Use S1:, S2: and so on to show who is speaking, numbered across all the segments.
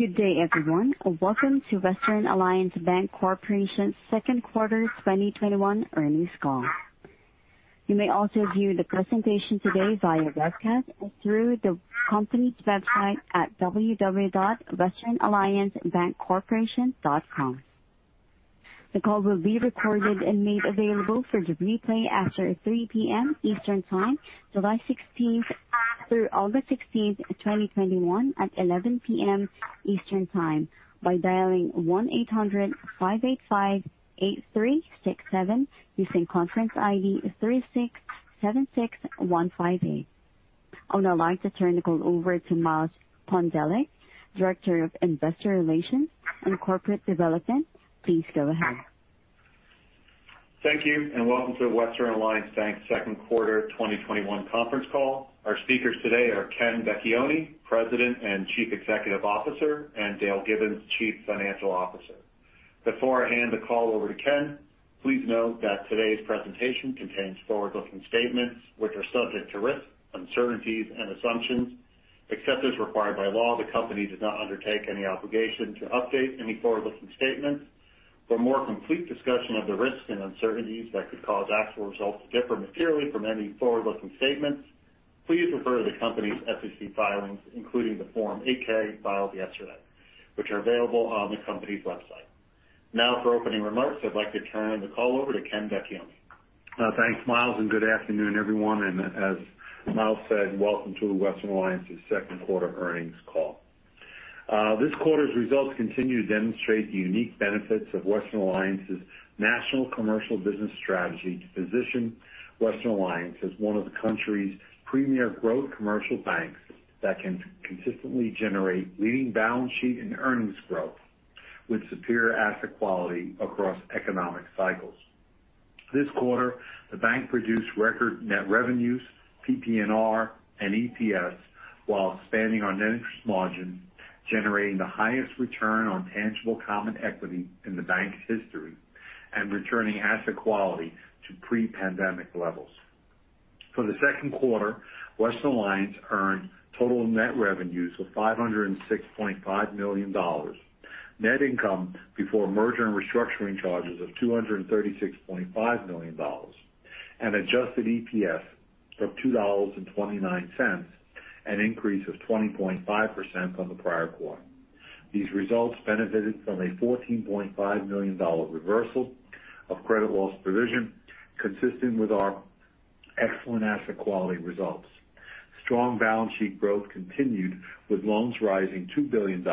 S1: Good day, everyone. Welcome to Western Alliance Bancorporation's second quarter 2021 earnings call. You may also view the presentation today via webcast through the company's website at www.westernalliancebancorporation.com. The call will be recorded and made available for replay after 3:00 P.M. Eastern Time, July 16th through August 16th, 2021 at 11:00 P.M. Eastern Time, by dialing 1-800-585-8367 using conference ID 3676158. I would now like to turn the call over to Miles Pondelik, Director of Investor Relations and Corporate Development. Please go ahead.
S2: Thank you, and welcome to Western Alliance Bank's second quarter 2021 conference call. Our speakers today are Ken Vecchione, President and Chief Executive Officer, and Dale Gibbons, Chief Financial Officer. Before I hand the call over to Ken, please note that today's presentation contains forward-looking statements which are subject to risks, uncertainties, and assumptions. Except as required by law, the company does not undertake any obligation to update any forward-looking statements. For a more complete discussion of the risks and uncertainties that could cause actual results to differ materially from any forward-looking statements, please refer to the company's SEC filings, including the Form 8-K filed yesterday, which are available on the company's website. Now for opening remarks, I'd like to turn the call over to Ken Vecchione.
S3: Thanks, Miles, good afternoon, everyone. As Miles said, welcome to Western Alliance's second quarter earnings call. This quarter's results continue to demonstrate the unique benefits of Western Alliance's national commercial business strategy to position Western Alliance as one of the country's premier growth commercial banks that can consistently generate leading balance sheet and earnings growth with superior asset quality across economic cycles. This quarter, the bank produced record net revenues, PPNR, and EPS, while expanding our net interest margin, generating the highest return on tangible common equity in the bank's history, and returning asset quality to pre-pandemic levels. For the second quarter, Western Alliance earned total net revenues of $506.5 million, net income before merger and restructuring charges of $236.5 million, and adjusted EPS of $2.29, an increase of 20.5% from the prior quarter. These results benefited from a $14.5 million reversal of credit loss provision, consistent with our excellent asset quality results. Strong balance sheet growth continued with loans rising $2 billion,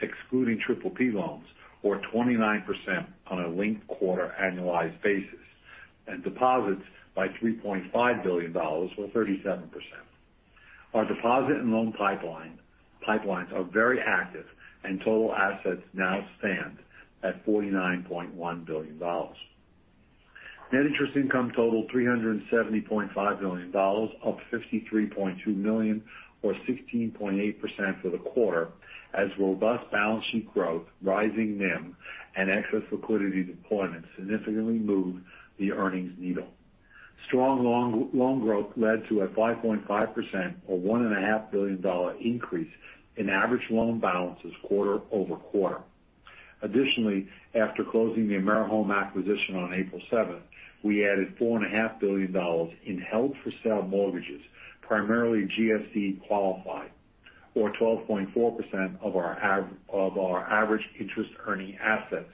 S3: excluding PPP loans, or 29% on a linked quarter annualized basis, and deposits by $3.5 billion or 37%. Our deposit and loan pipelines are very active, and total assets now stand at $49.1 billion. Net interest income totaled $370.5 million, up $53.2 million or 16.8% for the quarter, as robust balance sheet growth, rising NIM, and excess liquidity deployment significantly moved the earnings needle. Strong loan growth led to a 5.5% or $1.5 billion increase in average loan balances quarter-over-quarter. Additionally, after closing the AmeriHome acquisition on April 7, we added $4.5 billion in held-for-sale mortgages, primarily GSE-qualified, or 12.4% of our average interest-earning assets,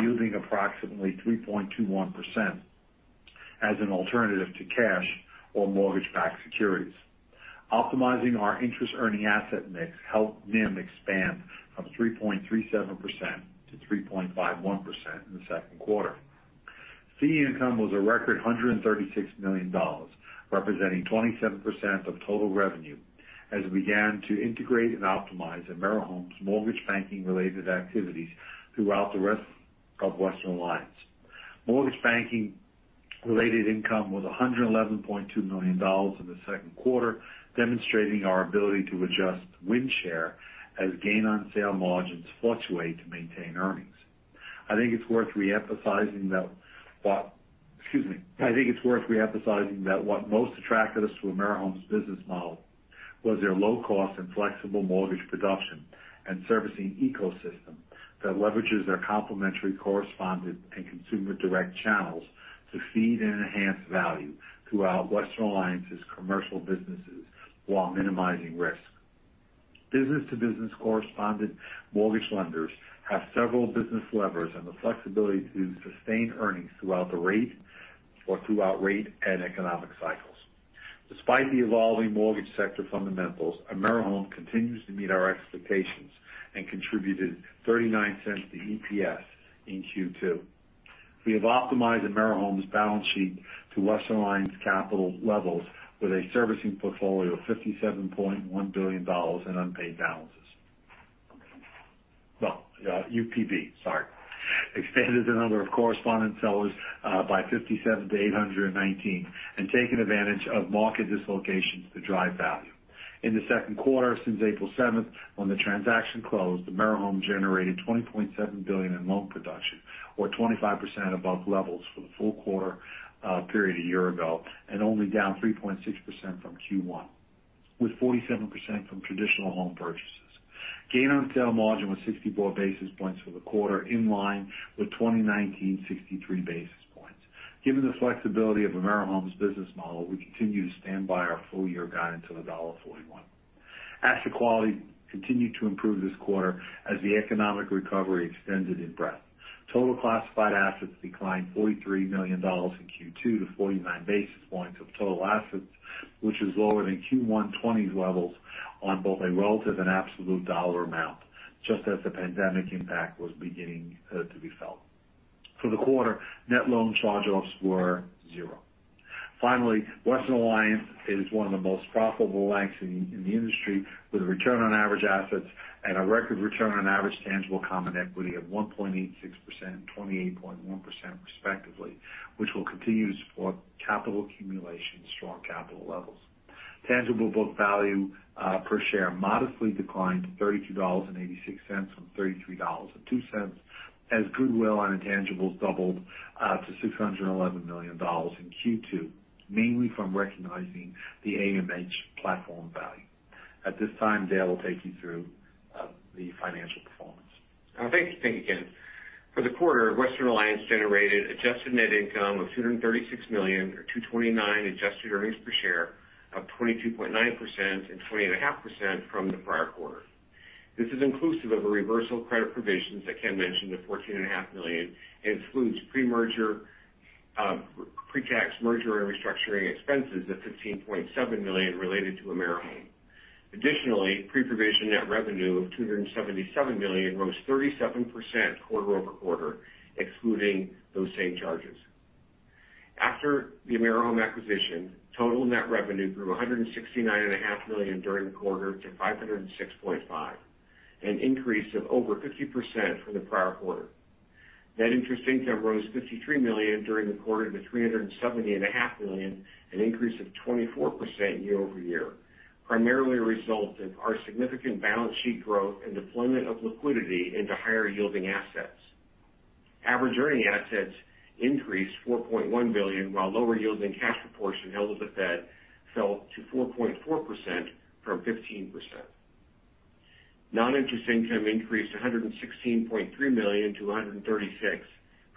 S3: yielding approximately 3.21% as an alternative to cash or mortgage-backed securities. Optimizing our interest-earning asset mix helped NIM expand from 3.37% to 3.51% in the second quarter. Fee income was a record $136 million, representing 27% of total revenue, as we began to integrate and optimize AmeriHome's mortgage banking-related activities throughout the rest of Western Alliance. Mortgage banking-related income was $111.2 million in the second quarter, demonstrating our ability to adjust win share as gain on sale margins fluctuate to maintain earnings. I think it's worth re-emphasizing that what most attracted us to AmeriHome's business model was their low cost and flexible mortgage production and servicing ecosystem that leverages their complementary correspondent and consumer direct channels to feed and enhance value throughout Western Alliance's commercial businesses while minimizing risk. Business-to-business correspondent mortgage lenders have several business levers and the flexibility to sustain earnings throughout rate and economic cycles. Despite the evolving mortgage sector fundamentals, AmeriHome continues to meet our expectations and contributed $0.39 to EPS in Q2. We have optimized AmeriHome's balance sheet to Western Alliance capital levels with a servicing portfolio of $57.1 billion in unpaid balances. Well, UPB, sorry. Expanded the number of correspondent sellers by 57 to 819, and taken advantage of market dislocations to drive value. In the second quarter, since April 7th, when the transaction closed, AmeriHome generated $20.7 billion in loan production, or 25% above levels for the full quarter period a year ago, and only down 3.6% from Q1, with 47% from traditional home purchases. Gain on sale margin was 64 basis points for the quarter, in line with 2019 63 basis points. Given the flexibility of AmeriHome's business model, we continue to stand by our full-year guidance of $1.41. Asset quality continued to improve this quarter as the economic recovery extended in breadth. Total classified assets declined $43 million in Q2 to 49 basis points of total assets, which is lower than Q1 2020 levels on both a relative and absolute dollar amount, just as the pandemic impact was beginning to be felt. For the quarter, net loan charge-offs were $0. Finally, Western Alliance is one of the most profitable banks in the industry, with a return on average assets and a record return on average tangible common equity of 1.86% and 28.1% respectively, which will continue to support capital accumulation and strong capital levels. Tangible book value per share modestly declined to $32.86 from $33.02, as goodwill and intangibles doubled to $611 million in Q2, mainly from recognizing the AMH platform value. At this time, Dale will take you through the financial performance.
S4: Thank you, Ken. For the quarter, Western Alliance generated adjusted net income of $236 million, or $2.29 adjusted earnings per share of 22.9% and 20.5% from the prior quarter. This is inclusive of a reversal credit provisions that Ken mentioned of $14.5 million and includes pre-tax merger and restructuring expenses of $15.7 million related to AmeriHome. Additionally, pre-provision net revenue of $277 million rose 37% quarter-over-quarter, excluding those same charges. After the AmeriHome acquisition, total net revenue grew $169.5 million during the quarter to $506.5 million, an increase of over 50% from the prior quarter. Net interest income rose $53 million during the quarter to $370.5 million, an increase of 24% year-over-year, primarily a result of our significant balance sheet growth and deployment of liquidity into higher-yielding assets. Average earning assets increased $4.1 billion, while lower yielding cash proportion held with the Fed fell to 4.4% from 15%. Non-interest income increased to $116.3 million to $136 million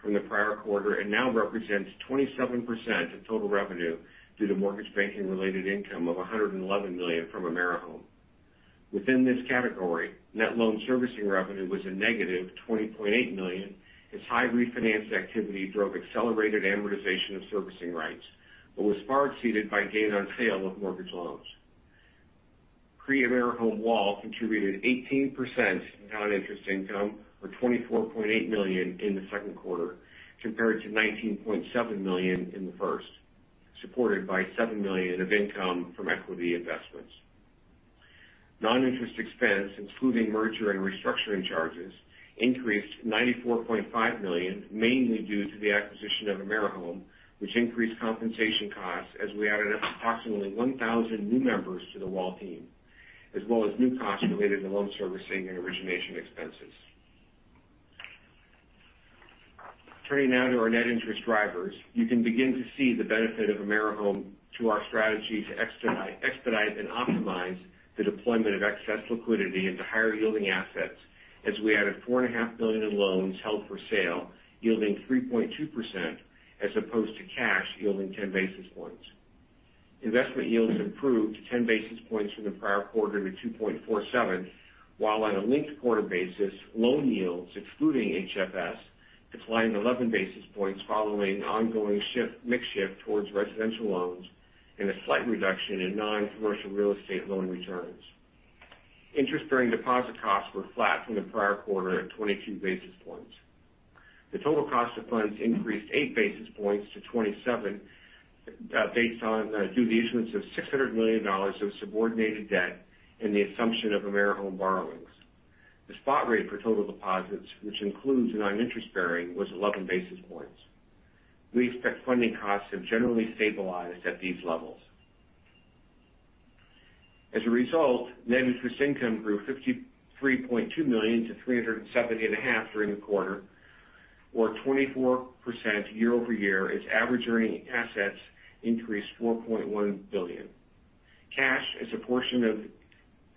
S4: from the prior quarter, and now represents 27% of total revenue due to mortgage banking-related income of $111 million from AmeriHome. Within this category, net loan servicing revenue was a negative $20.8 million, as high refinance activity drove accelerated amortization of servicing rights, but was far exceeded by gain on sale of mortgage loans. Pre-AmeriHome WAL contributed 18% non-interest income, or $24.8 million in the second quarter, compared to $19.7 million in the first, supported by $7 million of income from equity investments. Non-interest expense, including merger and restructuring charges, increased to $94.5 million, mainly due to the acquisition of AmeriHome, which increased compensation costs as we added approximately 1,000 new members to the WAL team, as well as new costs related to loan servicing and origination expenses. Turning now to our net interest drivers. You can begin to see the benefit of AmeriHome to our strategy to expedite and optimize the deployment of excess liquidity into higher-yielding assets, as we added $4.5 billion in loans held for sale, yielding 3.2%, as opposed to cash yielding 10 basis points. Investment yields improved 10 basis points from the prior quarter to 2.47%, while on a linked-quarter basis, loan yields, excluding HFS, declined 11 basis points following ongoing mix shift towards residential loans and a slight reduction in non-commercial real estate loan returns. Interest-bearing deposit costs were flat from the prior quarter at 22 basis points. The total cost of funds increased eight basis points to 27%, based on the issuance of $600 million of subordinated debt and the assumption of AmeriHome borrowings. The spot rate for total deposits, which includes non-interest bearing, was 11 basis points. We expect funding costs have generally stabilized at these levels. Net interest income grew $53.2 million to $370.5 million during the quarter, or 24% year-over-year as average earning assets increased $4.1 billion. Cash as a portion of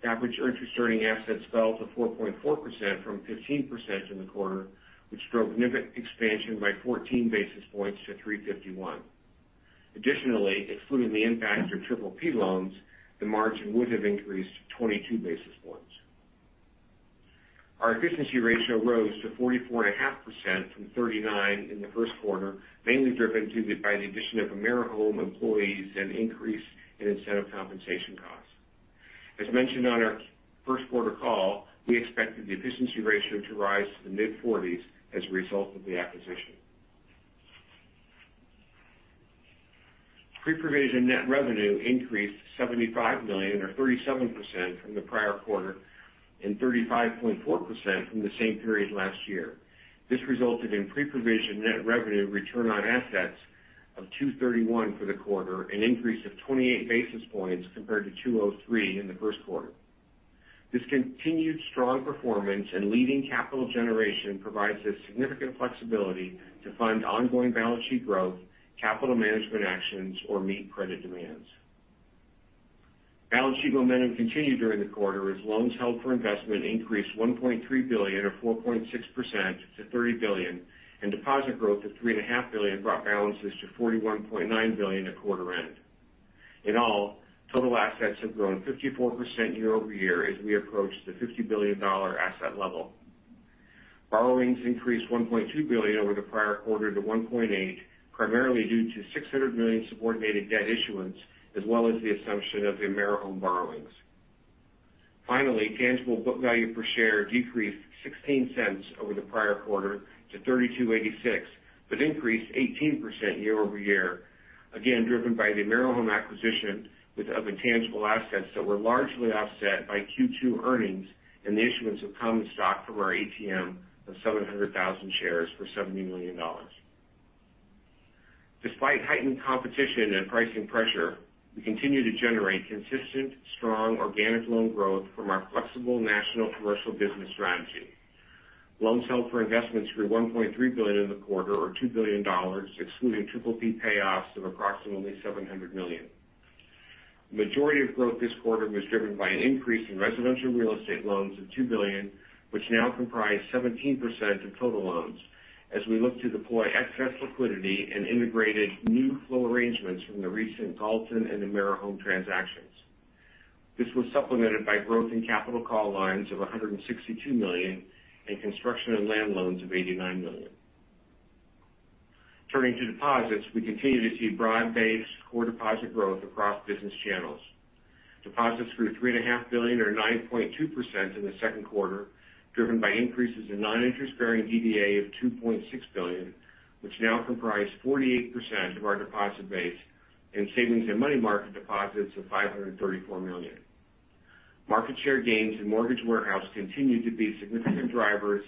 S4: average interest earning assets fell to 4.4% from 15% in the quarter, which drove net expansion by 14 basis points to 351 basis points. Excluding the impact of PPP loans, the margin would have increased 22 basis points. Our efficiency ratio rose to 44.5% from 39% in the first quarter, mainly driven by the addition of AmeriHome employees and increase in incentive compensation costs. As mentioned on our first quarter call, we expected the efficiency ratio to rise to the mid-40s as a result of the acquisition. Pre-provision net revenue increased $75 million or 37% from the prior quarter, and 35.4% from the same period last year. This resulted in pre-provision net revenue return on assets of $231 million for the quarter, an increase of 28 basis points compared to $203 million in the first quarter. This continued strong performance and leading capital generation provides us significant flexibility to fund ongoing balance sheet growth, capital management actions, or meet credit demands. Balance sheet momentum continued during the quarter as loans held for investment increased $1.3 billion, or 4.6%, to $30 billion, and deposit growth of $3.5 billion brought balances to $41.9 billion at quarter end. In all, total assets have grown 54% year-over-year as we approach the $50 billion asset level. Borrowings increased $1.2 billion over the prior quarter to $1.8, primarily due to $600 million subordinated debt issuance, as well as the assumption of the AmeriHome borrowings. Finally, tangible book value per share decreased $0.16 over the prior quarter to $32.86, but increased 18% year-over-year, again, driven by the AmeriHome acquisition of intangible assets that were largely offset by Q2 earnings and the issuance of common stock from our ATM of 700,000 shares for $70 million. Despite heightened competition and pricing pressure, we continue to generate consistent, strong organic loan growth from our flexible national commercial business strategy. Loans held for investment grew $1.3 billion in the quarter, or $2 billion, excluding PPP payoffs of approximately $700 million. Majority of growth this quarter was driven by an increase in residential real estate loans of $2 billion, which now comprise 17% of total loans, as we look to deploy excess liquidity and integrated new flow arrangements from the recent Galton and AmeriHome transactions. This was supplemented by growth in capital call lines of $162 million and construction and land loans of $89 million. Turning to deposits, we continue to see broad-based core deposit growth across business channels. Deposits grew $3.5 billion or 9.2% in the second quarter, driven by increases in non-interest-bearing DDA of $2.6 billion, which now comprise 48% of our deposit base and savings and money market deposits of $534 million. Market share gains in mortgage warehouse continued to be significant drivers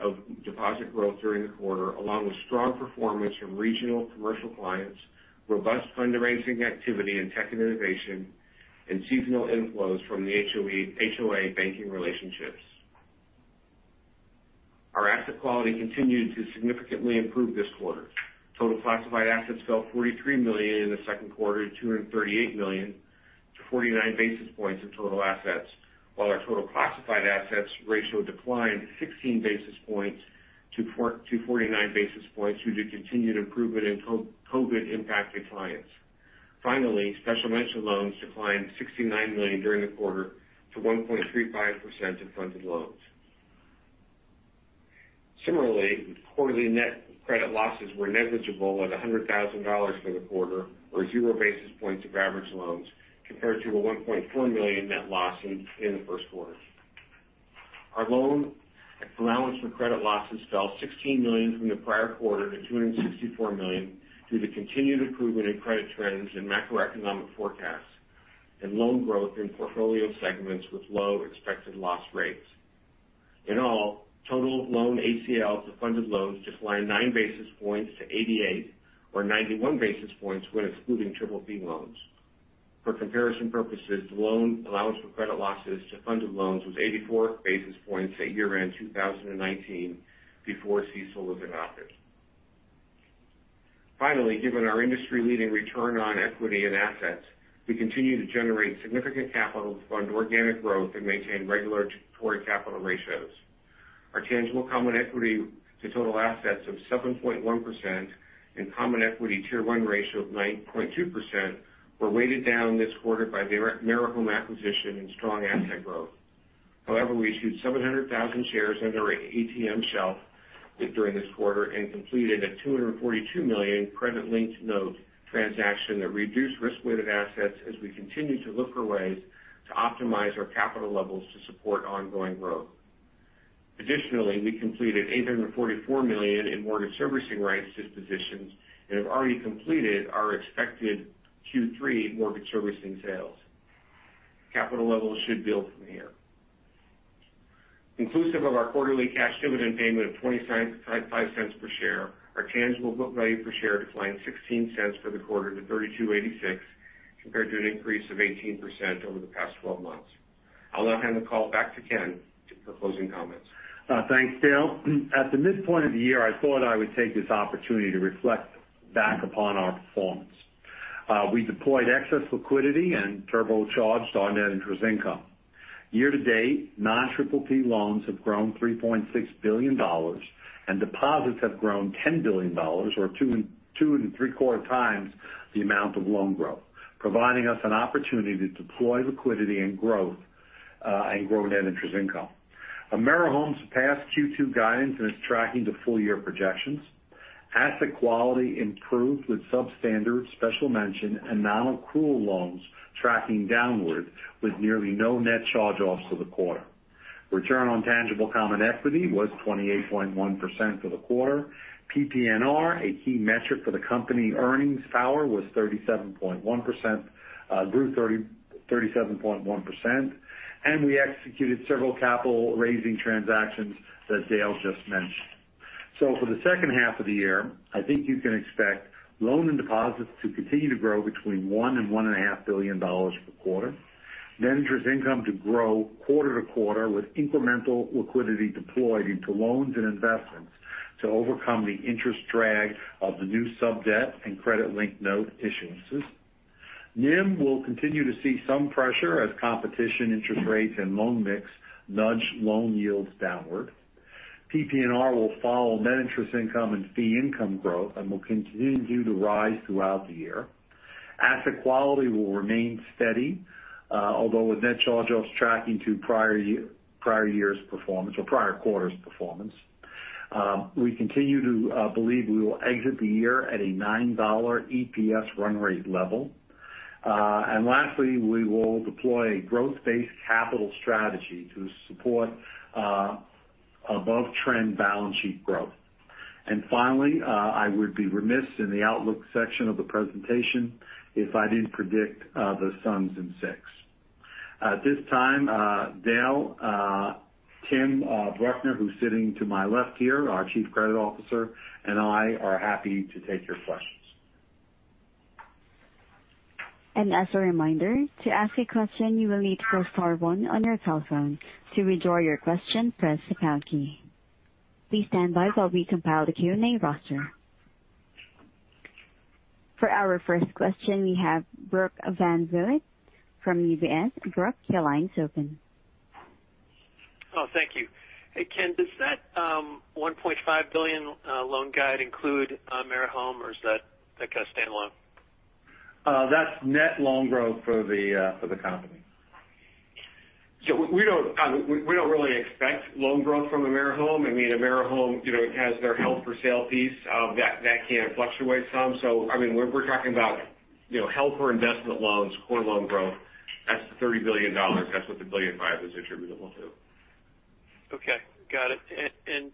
S4: of deposit growth during the quarter, along with strong performance from regional commercial clients, robust fundraising activity in tech and innovation, and seasonal inflows from the HOA banking relationships. Our asset quality continued to significantly improve this quarter. Total classified assets fell $43 million in the second quarter to $238 million to 49 basis points in total assets. While our total classified assets ratio declined 16 basis points to 49 basis points due to continued improvement in COVID-impacted clients. Finally, special mention loans declined $69 million during the quarter to 1.35% of funded loans. Similarly, quarterly net credit losses were negligible at $100,000 for the quarter or zero basis points of average loans, compared to a $1.4 million net loss in the first quarter. Our loan allowance for credit losses fell $16 million from the prior quarter to $264 million due to continued improvement in credit trends and macroeconomic forecasts and loan growth in portfolio segments with low expected loss rates. In all, total loan ACLs to funded loans declined nine basis points to 88, or 91 basis points when excluding PPP loans. For comparison purposes, loan allowance for credit losses to funded loans was 84 basis points at year-end 2019 before CECL was adopted. Given our industry-leading return on equity and assets, we continue to generate significant capital to fund organic growth and maintain regulatory capital ratios. Our tangible common equity to total assets of 7.1% and common equity Tier one ratio of 9.2% were weighted down this quarter by the AmeriHome acquisition and strong asset growth. We issued 700,000 shares under our ATM shelf during this quarter and completed a $242 million credit-linked note transaction that reduced risk-weighted assets as we continue to look for ways to optimize our capital levels to support ongoing growth. We completed $844 million in mortgage servicing rights dispositions and have already completed our expected Q3 mortgage servicing sales. Capital levels should build from here. Inclusive of our quarterly cash dividend payment of $0.25 per share, our tangible book value per share declined $0.16 for the quarter to $32.86, compared to an increase of 18% over the past 12 months. I'll now hand the call back to Ken for closing comments.
S3: Thanks, Dale. At the midpoint of the year, I thought I would take this opportunity to reflect back upon our performance. We deployed excess liquidity and turbo-charged on net interest income. Year to date, non-PPP loans have grown $3.6 billion, and deposits have grown $10 billion or two and three-quarter times the amount of loan growth, providing us an opportunity to deploy liquidity and grow net interest income. AmeriHome surpassed Q2 guidance and is tracking to full-year projections. Asset quality improved with substandard special mention and non-accrual loans tracking downward with nearly no net charge-offs for the quarter. Return on tangible common equity was 28.1% for the quarter. PPNR, a key metric for the company earnings power, grew 37.1%, and we executed several capital-raising transactions that Dale just mentioned. For the second half of the year, I think you can expect loan and deposits to continue to grow between $1 billion-$1.5 billion per quarter. Net interest income to grow quarter to quarter with incremental liquidity deployed into loans and investments to overcome the interest drag of the new sub-debt and credit-linked note issuances. NIM will continue to see some pressure as competition interest rates and loan mix nudge loan yields downward. PPNR will follow net interest income and fee income growth and will continue to rise throughout the year. Asset quality will remain steady, although with net charge-offs tracking to prior year's performance or prior quarter's performance. We continue to believe we will exit the year at a $9 EPS run rate level. Lastly, we will deploy a growth-based capital strategy to support above-trend balance sheet growth. Finally, I would be remiss in the outlook section of the presentation if I didn't predict the Suns in six. At this time, Dale, Tim Bruckner, who's sitting to my left here, our Chief Credit Officer, and I are happy to take your questions.
S1: For our first question, we have Brock Vandervliet from UBS. Brock, your line's open.
S5: Oh, thank you. Hey, Ken, does that $1.5 billion loan guide include AmeriHome, or is that kind of standalone?
S3: That's net loan growth for the company.
S4: We don't really expect loan growth from AmeriHome. AmeriHome has their held for sale piece that can fluctuate some. We're talking about held for investment loans, core loan growth. That's the $30 billion. That's what the $1.5 billion is attributable to.
S5: Okay. Got it.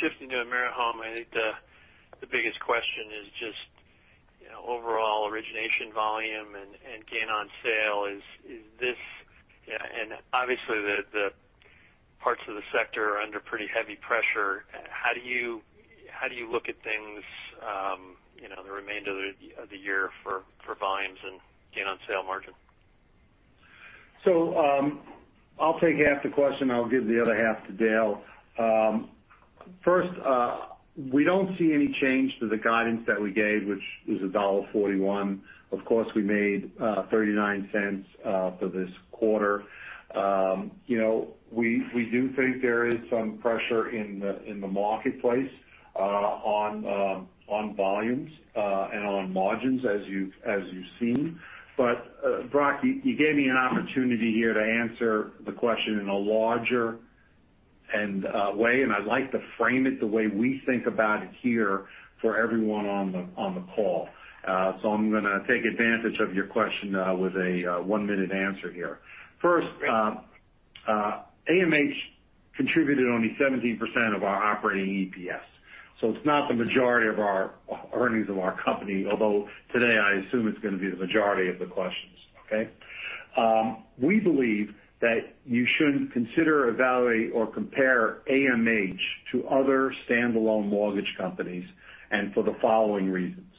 S5: Shifting to AmeriHome, I think the biggest question is just overall origination volume and gain on sale. Obviously, the parts of the sector are under pretty heavy pressure. How do you look at things the remainder of the year for volumes and gain on sale margin?
S3: I'll take half the question. I'll give the other half to Dale. First, we don't see any change to the guidance that we gave, which is $1.41. Of course, we made $0.39 for this quarter. Brock, you gave me an opportunity here to answer the question in a larger way, and I'd like to frame it the way we think about it here for everyone on the call. I'm going to take advantage of your question with a one-minute answer here. First, AMH contributed only 17% of our operating EPS. It's not the majority of our earnings of our company. Although today, I assume it's going to be the majority of the questions. Okay? We believe that you shouldn't consider, evaluate, or compare AMH to other standalone mortgage companies, for the following reasons.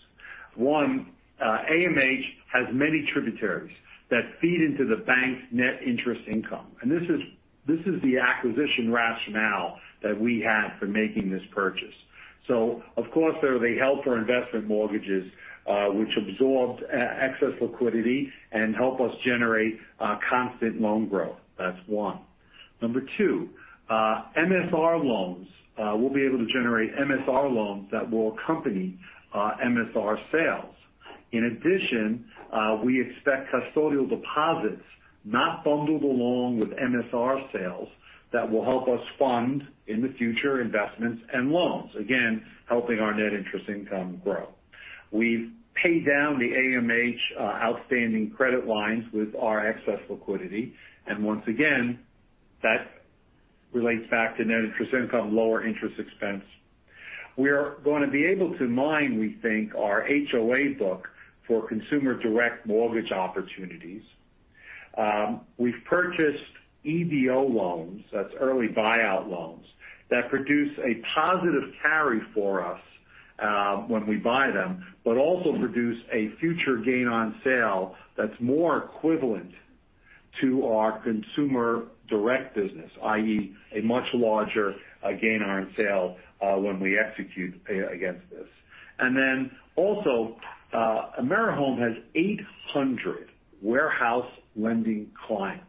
S3: One, AMH has many tributaries that feed into the bank's net interest income. This is the acquisition rationale that we had for making this purchase. Of course, there are the held for investment mortgages which absorbed excess liquidity and help us generate constant loan growth. That's one. Number two, MSR loans. We'll be able to generate MSR loans that will accompany MSR sales. In addition, we expect custodial deposits not bundled along with MSR sales that will help us fund in the future investments and loans. Again, helping our net interest income grow. We've paid down the AMH outstanding credit lines with our excess liquidity. Once again, that relates back to net interest income, lower interest expense. We're going to be able to mine, we think, our HOA book for consumer direct mortgage opportunities. We've purchased EBO loans, that's early buyout loans, that produce a positive carry for us when we buy them but also produce a future gain on sale that's more equivalent to our consumer direct business, i.e., a much larger gain on sale when we execute against this. Also AmeriHome has 800 warehouse lending clients.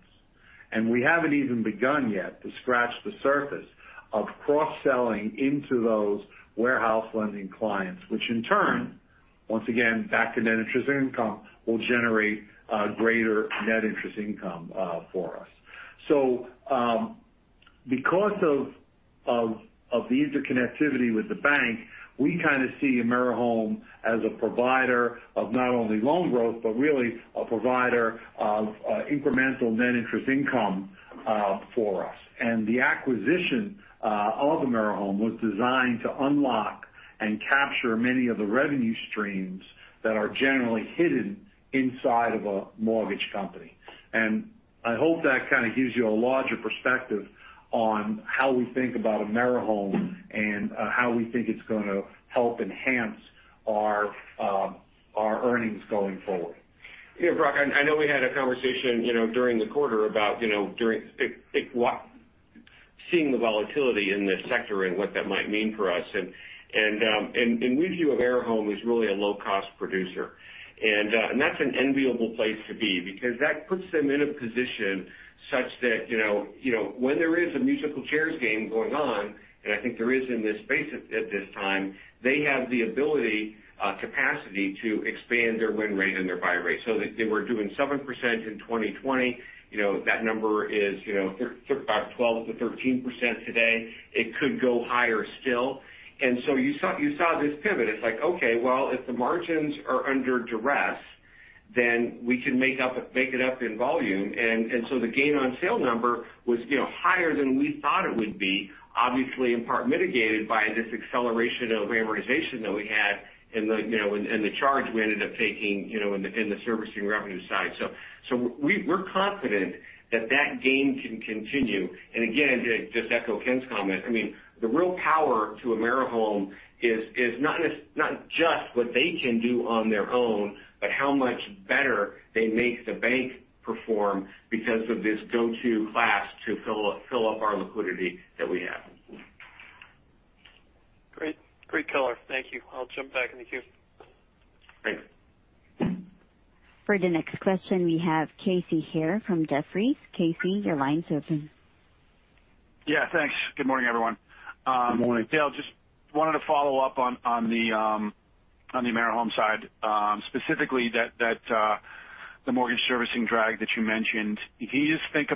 S3: We haven't even begun yet to scratch the surface of cross-selling into those warehouse lending clients, which in turn, once again back to net interest income, will generate greater net interest income for us. Because of the interconnectivity with the bank, we kind of see AmeriHome as a provider of not only loan growth but really a provider of incremental net interest income for us. The acquisition of AmeriHome was designed to unlock and capture many of the revenue streams that are generally hidden inside of a mortgage company. I hope that kind of gives you a larger perspective on how we think about AmeriHome and how we think it's going to help enhance our earnings going forward.
S4: Yeah, Brock, I know we had a conversation during the quarter about Seeing the volatility in the sector and what that might mean for us. We view AmeriHome as really a low-cost producer, that's an enviable place to be because that puts them in a position such that when there is a musical chairs game going on, I think there is in this space at this time, they have the ability, capacity to expand their win rate and their buy rate. They were doing 7% in 2020. That number is about 12%-13% today. It could go higher still. You saw this pivot. It's like, okay, well, if the margins are under duress, we can make it up in volume. The gain on sale number was higher than we thought it would be, obviously, in part mitigated by this acceleration of amortization that we had and the charge we ended up taking in the servicing revenue side. We're confident that game can continue. Again, to just echo Ken's comment, the real power to AmeriHome is not just what they can do on their own, but how much better they make the bank perform because of this go-to class to fill up our liquidity that we have.
S5: Great color. Thank you. I'll jump back in the queue.
S4: Great.
S1: For the next question, we have Casey Haire from Jefferies. Casey, your line's open.
S6: Yeah, thanks. Good morning, everyone.
S4: Good morning.
S6: Dale, just wanted to follow up on the AmeriHome side, specifically that the mortgage servicing drag that you mentioned. Can you just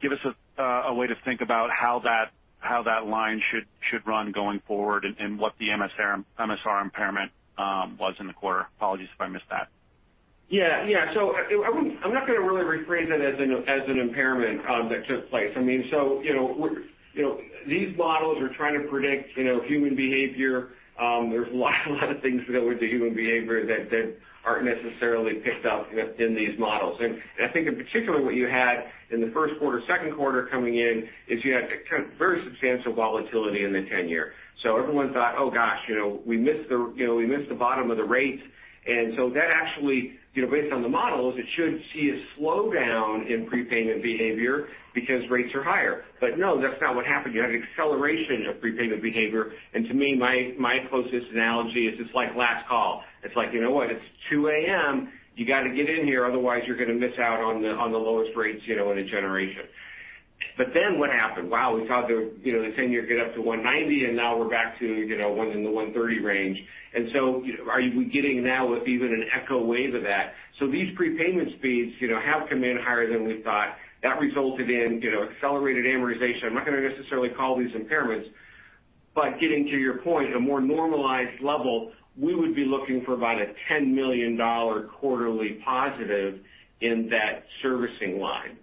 S6: give us a way to think about how that line should run going forward and what the MSR impairment was in the quarter? Apologies if I missed that.
S4: I'm not going to really rephrase it as an impairment that took place. These models are trying to predict human behavior. There's a lot of things that go into human behavior that aren't necessarily picked up in these models. I think in particular, what you had in the first quarter, second quarter coming in is you had very substantial volatility in the tenor. Everyone thought, "Oh, gosh, we missed the bottom of the rates." That actually, based on the models, it should see a slowdown in prepayment behavior because rates are higher. No, that's not what happened. You had an acceleration of prepayment behavior. To me, my closest analogy is it's like last call. It's like, "You know what? It's 2:00 A.M. You got to get in here, otherwise you're going to miss out on the lowest rates in a generation. What happened? Wow, we saw the 10-year get up to 190, and now we're back to in the 130 range. Are we getting now even an echo wave of that? These prepayment speeds have come in higher than we thought. That resulted in accelerated amortization. I'm not going to necessarily call these impairments, but getting to your point, a more normalized level, we would be looking for about a $10 million quarterly positive in that servicing line.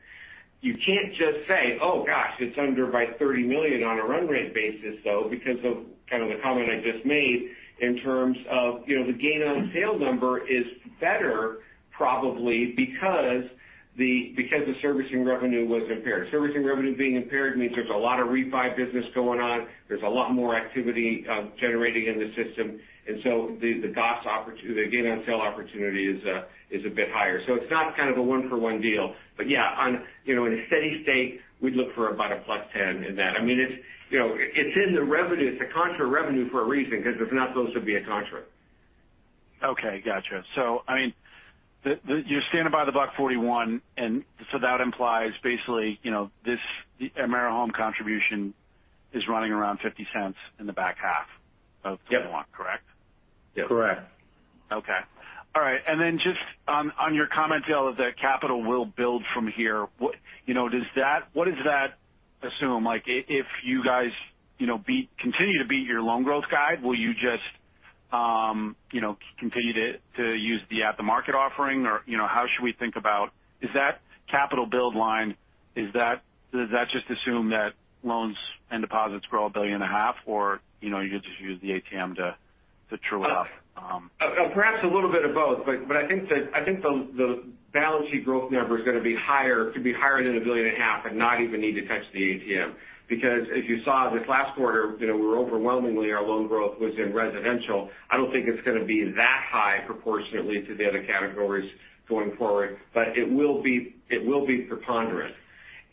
S4: You can't just say, "Oh, gosh, it's under by $30 million on a run rate basis, though," because of the comment I just made in terms of the gain on sale number is better probably because the servicing revenue was impaired. Servicing revenue being impaired means there's a lot of refi business going on. There's a lot more activity generating in the system. The gain on sale opportunity is a bit higher. It's not kind of a one-for-one deal. Yeah, in a steady state, we'd look for about a +10 in that. It's in the revenue. It's a contra revenue for a reason, because if not, those would be a contra.
S6: Okay, got you. You're standing by the $1.41, and so that implies basically, the AmeriHome contribution is running around $0.50 in the back half of 2021.
S4: Yep
S6: correct?
S4: Yep. Correct.
S6: Okay. All right. Just on your comment, Dale, that capital will build from here. What does that assume? If you guys continue to beat your loan growth guide, will you just continue to use the at the market offering? Does that just assume that loans and deposits grow a billion and a half? Or you just use the ATM to true it up?
S4: Perhaps a little bit of both. I think the balance sheet growth number is going to be higher than $1.5 billion and not even need to touch the ATM. As you saw this last quarter, overwhelmingly our loan growth was in residential. I don't think it's going to be that high proportionately to the other categories going forward, but it will be preponderant.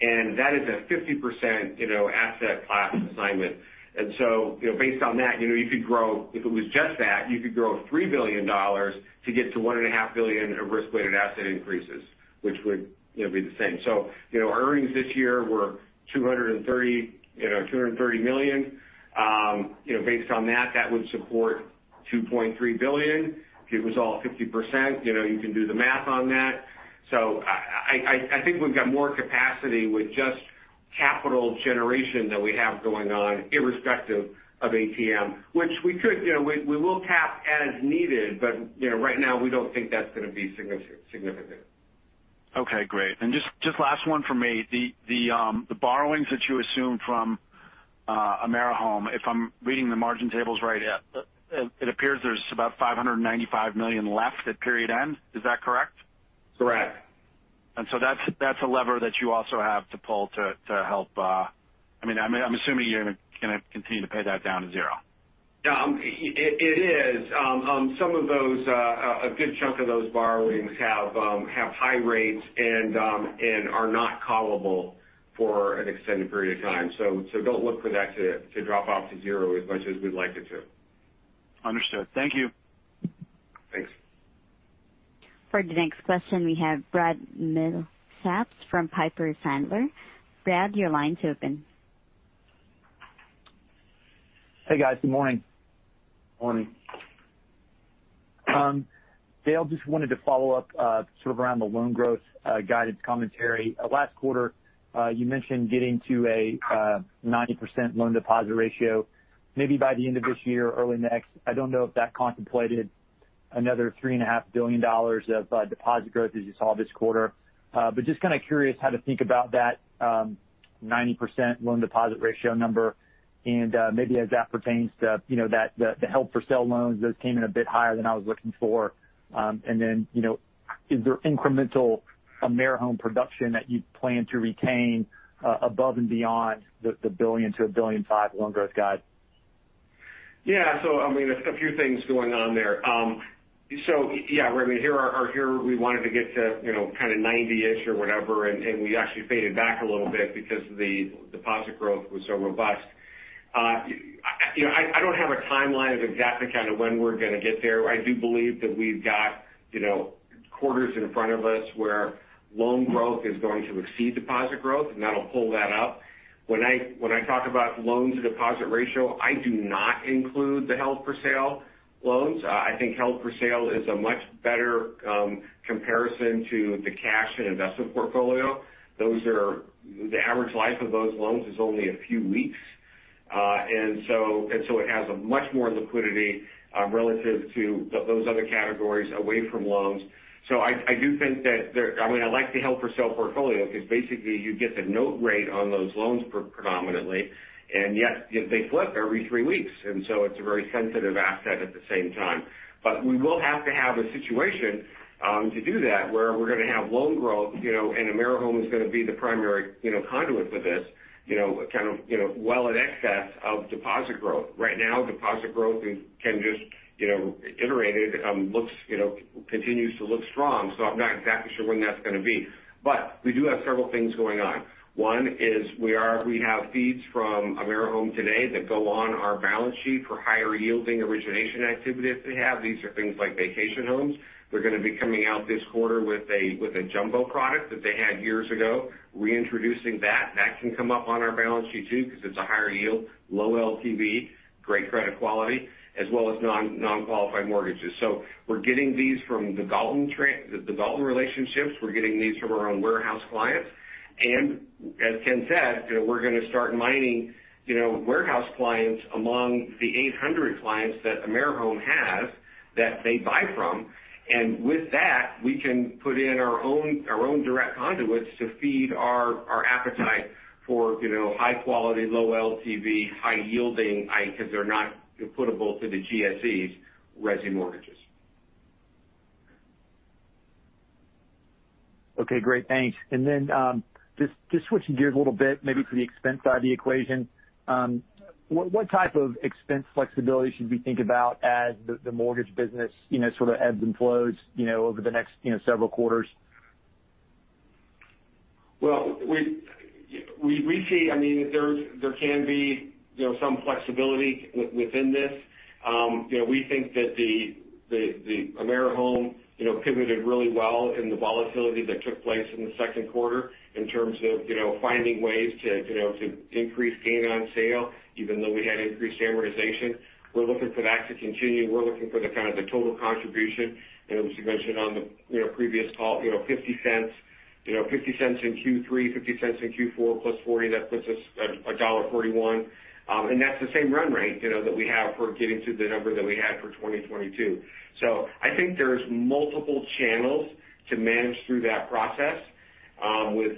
S4: That is a 50% asset class assignment. Based on that, if it was just that, you could grow $3 billion to get to $1.5 billion of risk-weighted asset increases, which would be the same. Earnings this year were $230 million. Based on that would support $2.3 billion. If it was all 50%, you can do the math on that. I think we've got more capacity with just capital generation that we have going on irrespective of ATM, which we will tap as needed. Right now, we don't think that's going to be significant.
S6: Okay, great. Just last one from me. The borrowings that you assumed from AmeriHome, if I'm reading the margin tables right, it appears there's about $595 million left at period end. Is that correct?
S4: Correct.
S6: That's a lever that you also have to pull to help. I'm assuming you're going to continue to pay that down to $0.
S4: Yeah. It is. A good chunk of those borrowings have high rates and are not callable for an extended period of time. Don't look for that to drop off to $0 as much as we'd like it to.
S6: Understood. Thank you.
S4: Thanks.
S1: For the next question, we have Brad Milsaps from Piper Sandler. Brad, your line's open.
S7: Hey, guys. Good morning.
S4: Morning.
S7: Dale, just wanted to follow up sort of around the loan growth guidance commentary. Last quarter, you mentioned getting to a 90% loan deposit ratio maybe by the end of this year or early next. I don't know if that contemplated another $3.5 billion of deposit growth as you saw this quarter. Just kind of curious how to think about that 90% loan deposit ratio number and maybe as that pertains to the held for sale loans. Those came in a bit higher than I was looking for. Is there incremental AmeriHome production that you plan to retain above and beyond the $1 billion-$1.5 billion loan growth guide?
S4: Yeah. A few things going on there. Yeah, our year we wanted to get to kind of 90-ish or whatever, and we actually faded back a little bit because the deposit growth was so robust. I don't have a timeline of exactly kind of when we're going to get there. I do believe that we've got quarters in front of us where loan growth is going to exceed deposit growth, and that'll pull that up. When I talk about loans to deposit ratio, I do not include the held for sale loans. I think held for sale is a much better comparison to the cash and investment portfolio. The average life of those loans is only a few weeks. It has a much more liquidity relative to those other categories away from loans. I do think that, I like the held for sale portfolio because basically you get the note rate on those loans predominantly, and yet they flip every three weeks, and so it's a very sensitive asset at the same time. We will have to have a situation to do that, where we're going to have loan growth, and AmeriHome is going to be the primary conduit for this kind of well in excess of deposit growth. Right now, deposit growth can just, iterated, continues to look strong. I'm not exactly sure when that's going to be. We do have several things going on. One is we have feeds from AmeriHome today that go on our balance sheet for higher yielding origination activity that they have. These are things like vacation homes. They're going to be coming out this quarter with a jumbo product that they had years ago, reintroducing that. That can come up on our balance sheet too because it's a higher yield, low LTV, great credit quality, as well as non-qualified mortgages. We're getting these from the Galton relationships. We're getting these from our own warehouse clients. As Ken said, we're going to start mining warehouse clients among the 800 clients that AmeriHome has that they buy from. With that, we can put in our own direct conduits to feed our appetite for high quality, low LTV, high yielding because they're not put-able to the GSEs resi mortgages.
S7: Okay, great. Thanks. Just switching gears a little bit maybe to the expense side of the equation. What type of expense flexibility should we think about as the mortgage business sort of ebbs and flows over the next several quarters?
S4: There can be some flexibility within this. We think that the AmeriHome pivoted really well in the volatility that took place in the second quarter in terms of finding ways to increase gain on sale, even though we had increased amortization. We're looking for that to continue. We're looking for the kind of the total contribution, as you mentioned on the previous call, $0.50 in Q3, $0.50 in Q4 + $0.40, that puts us at $1.41. That's the same run rate that we have for getting to the number that we had for 2022. I think there's multiple channels to manage through that process with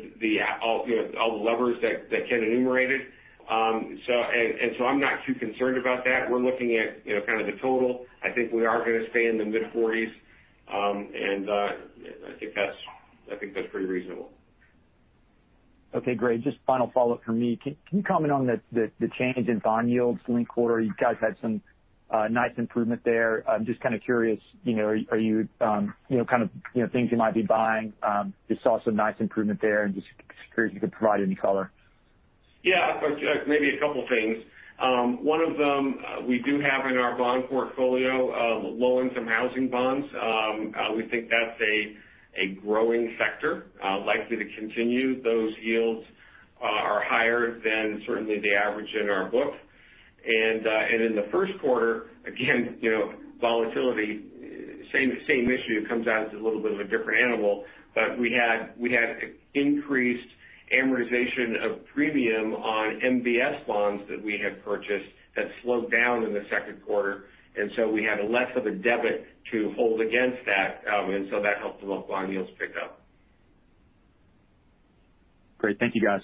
S4: all the levers that Ken enumerated. I'm not too concerned about that. We're looking at kind of the total. I think we are going to stay in the mid-40s. I think that's pretty reasonable.
S7: Okay, great. Just final follow-up from me. Can you comment on the change in bond yields linked quarter? You guys had some nice improvement there. I'm just kind of curious, things you might be buying. Just saw some nice improvement there and just curious if you could provide any color.
S4: Yeah. Maybe a couple of things. One of them we do have in our bond portfolio of low-income housing bonds. We think that's a growing sector likely to continue. Those yields are higher than certainly the average in our book. In the first quarter, again, volatility, same issue. It comes out as a little bit of a different animal, we had increased amortization of premium on MBS bonds that we had purchased that slowed down in the second quarter. We had less of a debit to hold against that. That helped the bond yields pick up.
S7: Great. Thank you, guys.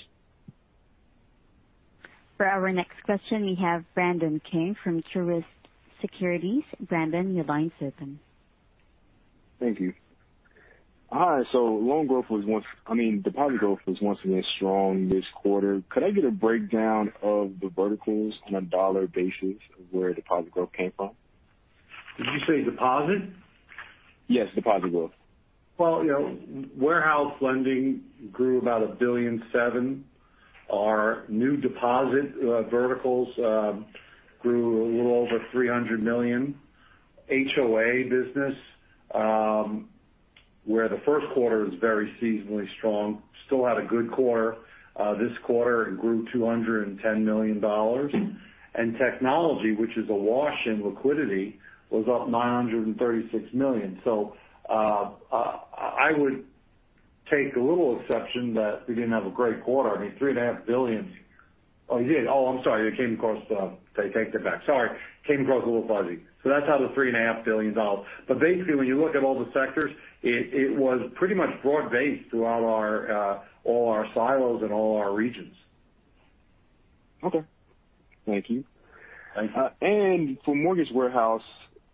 S1: For our next question, we have Brandon King from Truist Securities. Brandon, your line's open.
S8: Thank you. All right. I mean, deposit growth was once again strong this quarter. Could I get a breakdown of the verticals on a dollar basis of where deposit growth came from?
S3: Did you say deposit?
S8: Yes. Deposit growth.
S3: Well, warehouse lending grew about $1.7 billion. Our new deposit verticals grew a little over $300 million. HOA business, where the first quarter was very seasonally strong, still had a good quarter. This quarter, it grew $210 million. Technology, which is awash in liquidity, was up $936 million. I would take a little exception that we didn't have a great quarter. I mean, $3.5 billion. Oh, you did. Oh, I'm sorry. I take that back. Sorry. Came across a little fuzzy. That's how the $3.5 billion. Basically, when you look at all the sectors, it was pretty much broad-based throughout all our silos and all our regions.
S8: Okay. Thank you.
S3: Thank you.
S8: For mortgage warehouse,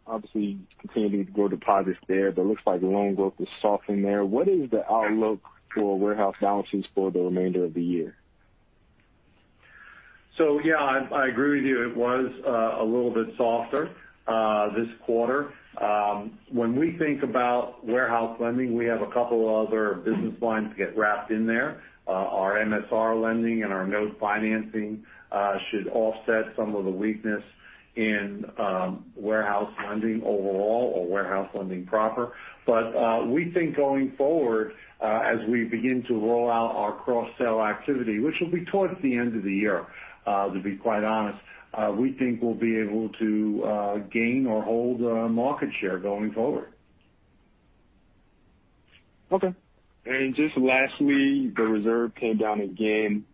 S8: obviously continuing to grow deposits there, but looks like the loan growth is softening there. What is the outlook for warehouse balances for the remainder of the year?
S3: Yeah, I agree with you. It was a little bit softer this quarter. When we think about warehouse lending, we have a couple other business lines that get wrapped in there. Our MSR lending and our note financing should offset some of the weakness in warehouse lending overall or warehouse lending proper. We think going forward, as we begin to roll out our cross-sell activity, which will be towards the end of the year to be quite honest, we think we'll be able to gain or hold market share going forward.
S8: Okay. Just lastly, the reserve came down again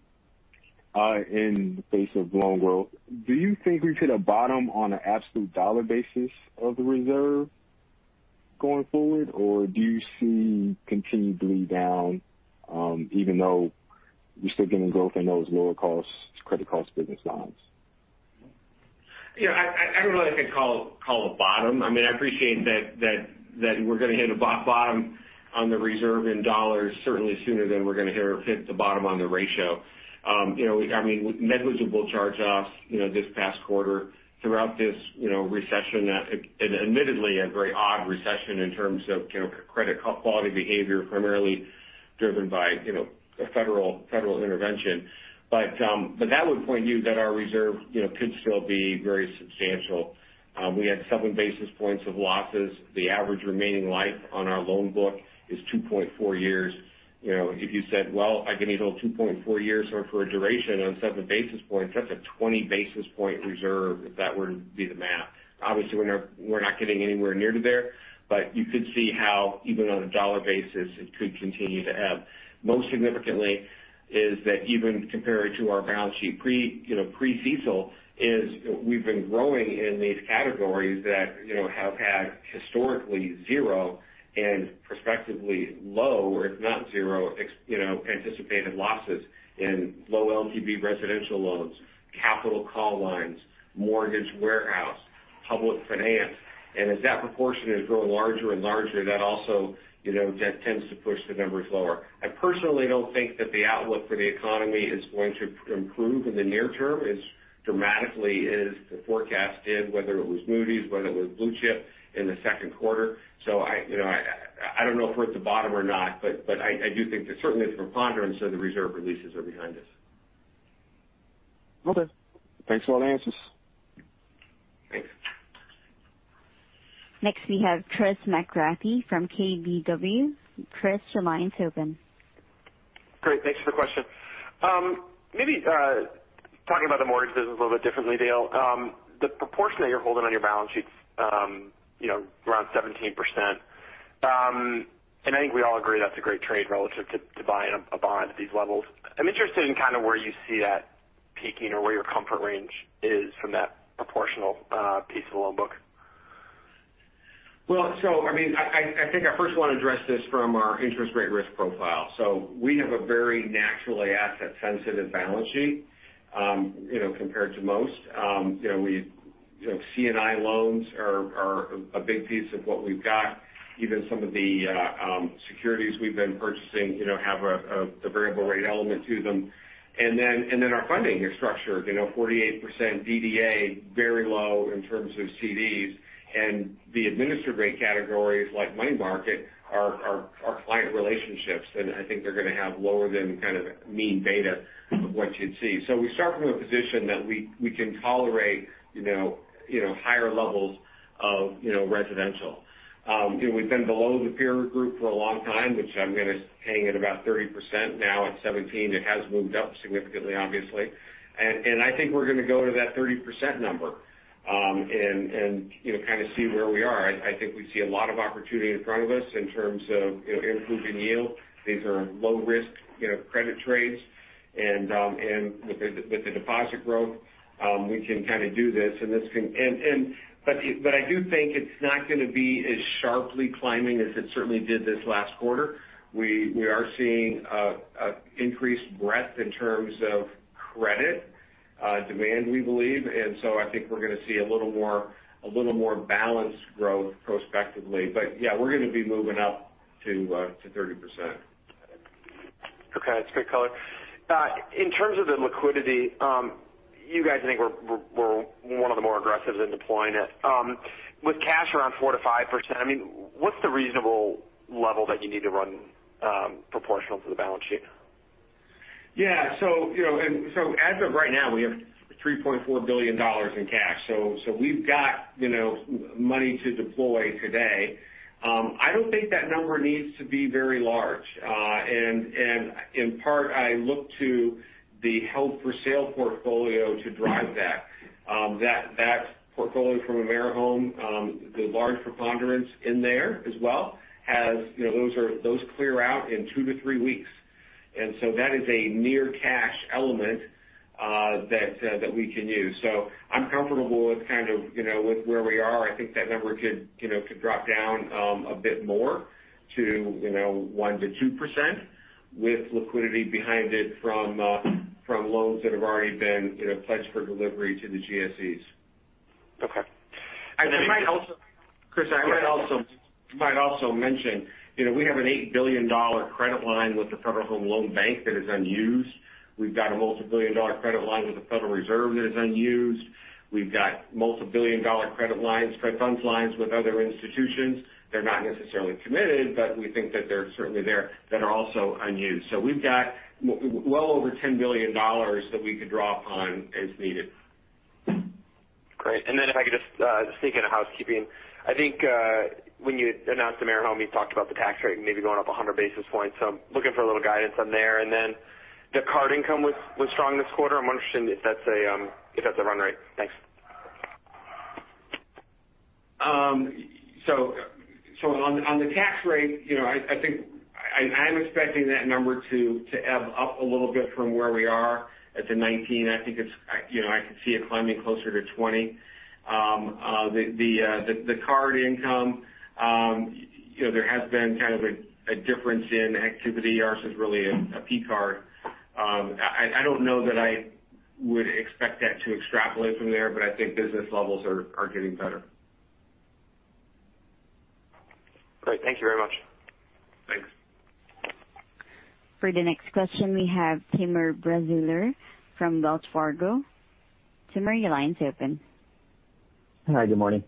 S8: in the face of loan growth. Do you think we've hit a bottom on an absolute dollar basis of the reserve going forward? Do you see continued bleed down even though you're still getting growth in those lower cost credit cost business lines?
S4: I don't know if I'd call it a bottom. I appreciate that we're going to hit a bottom on the reserve in dollars certainly sooner than we're going to hit the bottom on the ratio. I mean, negligible charge-offs this past quarter throughout this recession, admittedly a very odd recession in terms of credit quality behavior, primarily driven by federal intervention. That would point you that our reserve could still be very substantial. We had seven basis points of losses. The average remaining life on our loan book is 2.4 years. If you said, well, I can either hold 2.4 years or for a duration on seven basis points, that's a 20 basis point reserve if that were to be the math. Obviously, we're not getting anywhere near to there, but you could see how even on a dollar basis, it could continue to ebb. Most significantly is that even compared to our balance sheet pre-CECL, is we've been growing in these categories that have had historically $0 and perspectively low or if not $0, anticipated losses in low LTV residential loans, capital call lines, mortgage warehouse, public finance. As that proportion is growing larger and larger, that also tends to push the numbers lower. I personally don't think that the outlook for the economy is going to improve in the near term as dramatically as the forecast did, whether it was Moody's, whether it was Blue Chip in the second quarter. I don't know if we're at the bottom or not, but I do think that certainly from pondering, so the reserve releases are behind us.
S8: Okay. Thanks for all the answers.
S4: Thanks.
S1: Next we have Chris McGratty from KBW. Chris, your line's open.
S9: Great. Thanks for the question. Maybe talking about the mortgages a little bit differently, Dale. The proportion that you're holding on your balance sheets, around 17%. I think we all agree that's a great trade relative to buying a bond at these levels. I'm interested in kind of where you see that peaking or where your comfort range is from that proportional piece of the loan book.
S4: I think I first want to address this from our interest rate risk profile. We have a very naturally asset-sensitive balance sheet compared to most. C&I loans are a big piece of what we've got. Even some of the securities we've been purchasing have a variable rate element to them. Our funding is structured 48% DDA, very low in terms of CDs. The administered rate categories like money market are client relationships, and I think they're going to have lower than kind of mean beta of what you'd see. We start from a position that we can tolerate higher levels of residential. We've been below the peer group for a long time, which I'm going to hang at about 30%. Now at 17, it has moved up significantly, obviously. I think we're going to go to that 30% number and kind of see where we are. I think we see a lot of opportunity in front of us in terms of improving yield. These are low risk credit trades. With the deposit growth, we can kind of do this. I do think it's not going to be as sharply climbing as it certainly did this last quarter. We are seeing increased breadth in terms of. Credit demand, we believe. I think we're going to see a little more balanced growth prospectively. Yeah, we're going to be moving up to 30%.
S9: That's great color. In terms of the liquidity, you guys I think were one of the more aggressive in deploying it. With cash around 4%-5%, what's a reasonable level that you need to run proportional to the balance sheet?
S4: Yeah. As of right now, we have $3.4 billion in cash, so we've got money to deploy today. I don't think that number needs to be very large. In part, I look to the held-for-sale portfolio to drive that. That portfolio from AmeriHome, the large preponderance in there as well, those clear out in two to three weeks. That is a near cash element that we can use. I'm comfortable with where we are. I think that number could drop down a bit more to 1%-2% with liquidity behind it from loans that have already been pledged for delivery to the GSEs.
S9: Okay.
S4: Chris, I might also mention, we have an $8 billion credit line with the Federal Home Loan Bank that is unused. We've got a multi-billion dollar credit line with the Federal Reserve that is unused. We've got multi-billion dollar credit funds lines with other institutions. They're not necessarily committed, but we think that they're certainly there, that are also unused. We've got well over $10 billion that we could draw upon as needed.
S9: Great. If I could just sneak in a housekeeping. I think when you announced AmeriHome, you talked about the tax rate maybe going up 100 basis points. I'm looking for a little guidance on there. The card income was strong this quarter. I'm wondering if that's a run rate. Thanks.
S4: On the tax rate, I'm expecting that number to ebb up a little bit from where we are at the 19%. I could see it climbing closer to 20%. The card income, there has been kind of a difference in activity. Ours is really a P card. I don't know that I would expect that to extrapolate from there, but I think business levels are getting better.
S9: Great. Thank you very much.
S4: Thanks.
S1: For the next question, we have Timur Braziler from Wells Fargo. Timur, your line's open.
S10: Hi, good morning.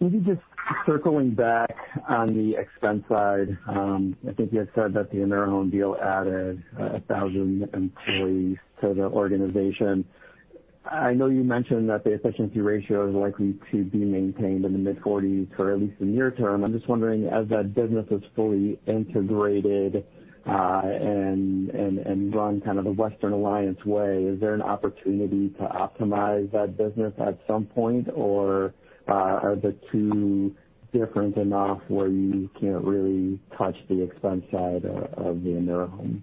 S10: Maybe just circling back on the expense side. I think you had said that the AmeriHome deal added 1,000 employees to the organization. I know you mentioned that the efficiency ratio is likely to be maintained in the mid-40s for at least the near term. I'm just wondering, as that business is fully integrated and run kind of the Western Alliance way, is there an opportunity to optimize that business at some point, or are the two different enough where you can't really touch the expense side of the AmeriHome?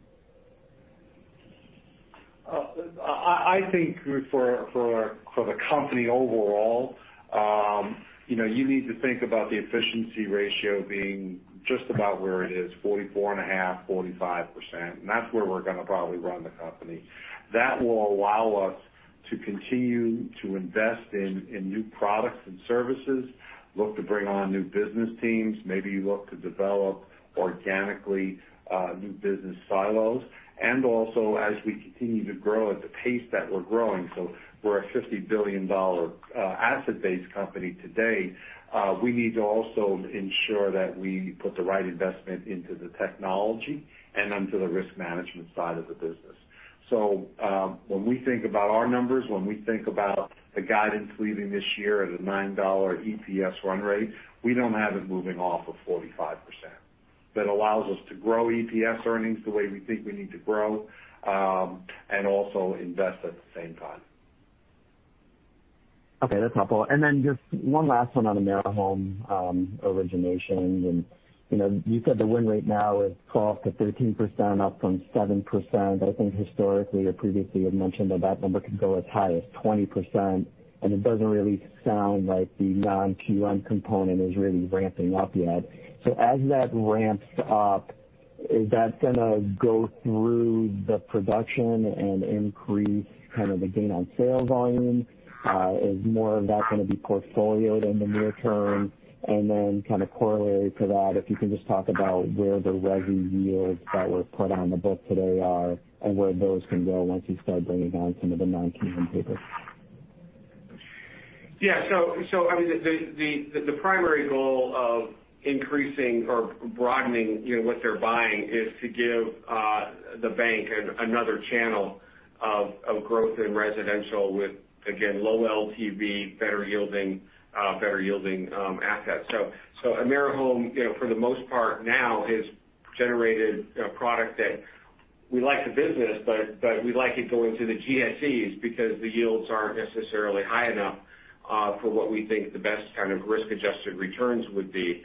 S3: I think for the company overall, you need to think about the efficiency ratio being just about where it is, 44.5%, 45%, and that's where we're going to probably run the company. That will allow us to continue to invest in new products and services, look to bring on new business teams, maybe look to develop organically new business silos. Also, as we continue to grow at the pace that we're growing, so we're a $50 billion asset base company today, we need to also ensure that we put the right investment into the technology and onto the risk management side of the business. When we think about our numbers, when we think about the guidance leaving this year at a $9 EPS run rate, we don't have it moving off of 45%. That allows us to grow EPS earnings the way we think we need to grow and also invest at the same time.
S10: Okay. That's helpful. Just one last one on AmeriHome originations. You said the win rate now is 12%-13%, up from 7%. I think historically or previously you had mentioned that that number could go as high as 20%. It doesn't really sound like the non-QM component is really ramping up yet. As that ramps up, is that going to go through the production and increase kind of the gain on sale volume? Is more of that going to be portfolio-ed in the near term? Kind of corollary to that, if you can just talk about where the resi yields that were put on the book today are and where those can go once you start bringing on some of the non-QM paper.
S4: Yeah. The primary goal of increasing or broadening what they're buying is to give the bank another channel of growth in residential with, again, low LTV, better yielding assets. AmeriHome, for the most part now, has generated a product that we like the business, but we like it going to the GSEs because the yields aren't necessarily high enough for what we think the best kind of risk-adjusted returns would be.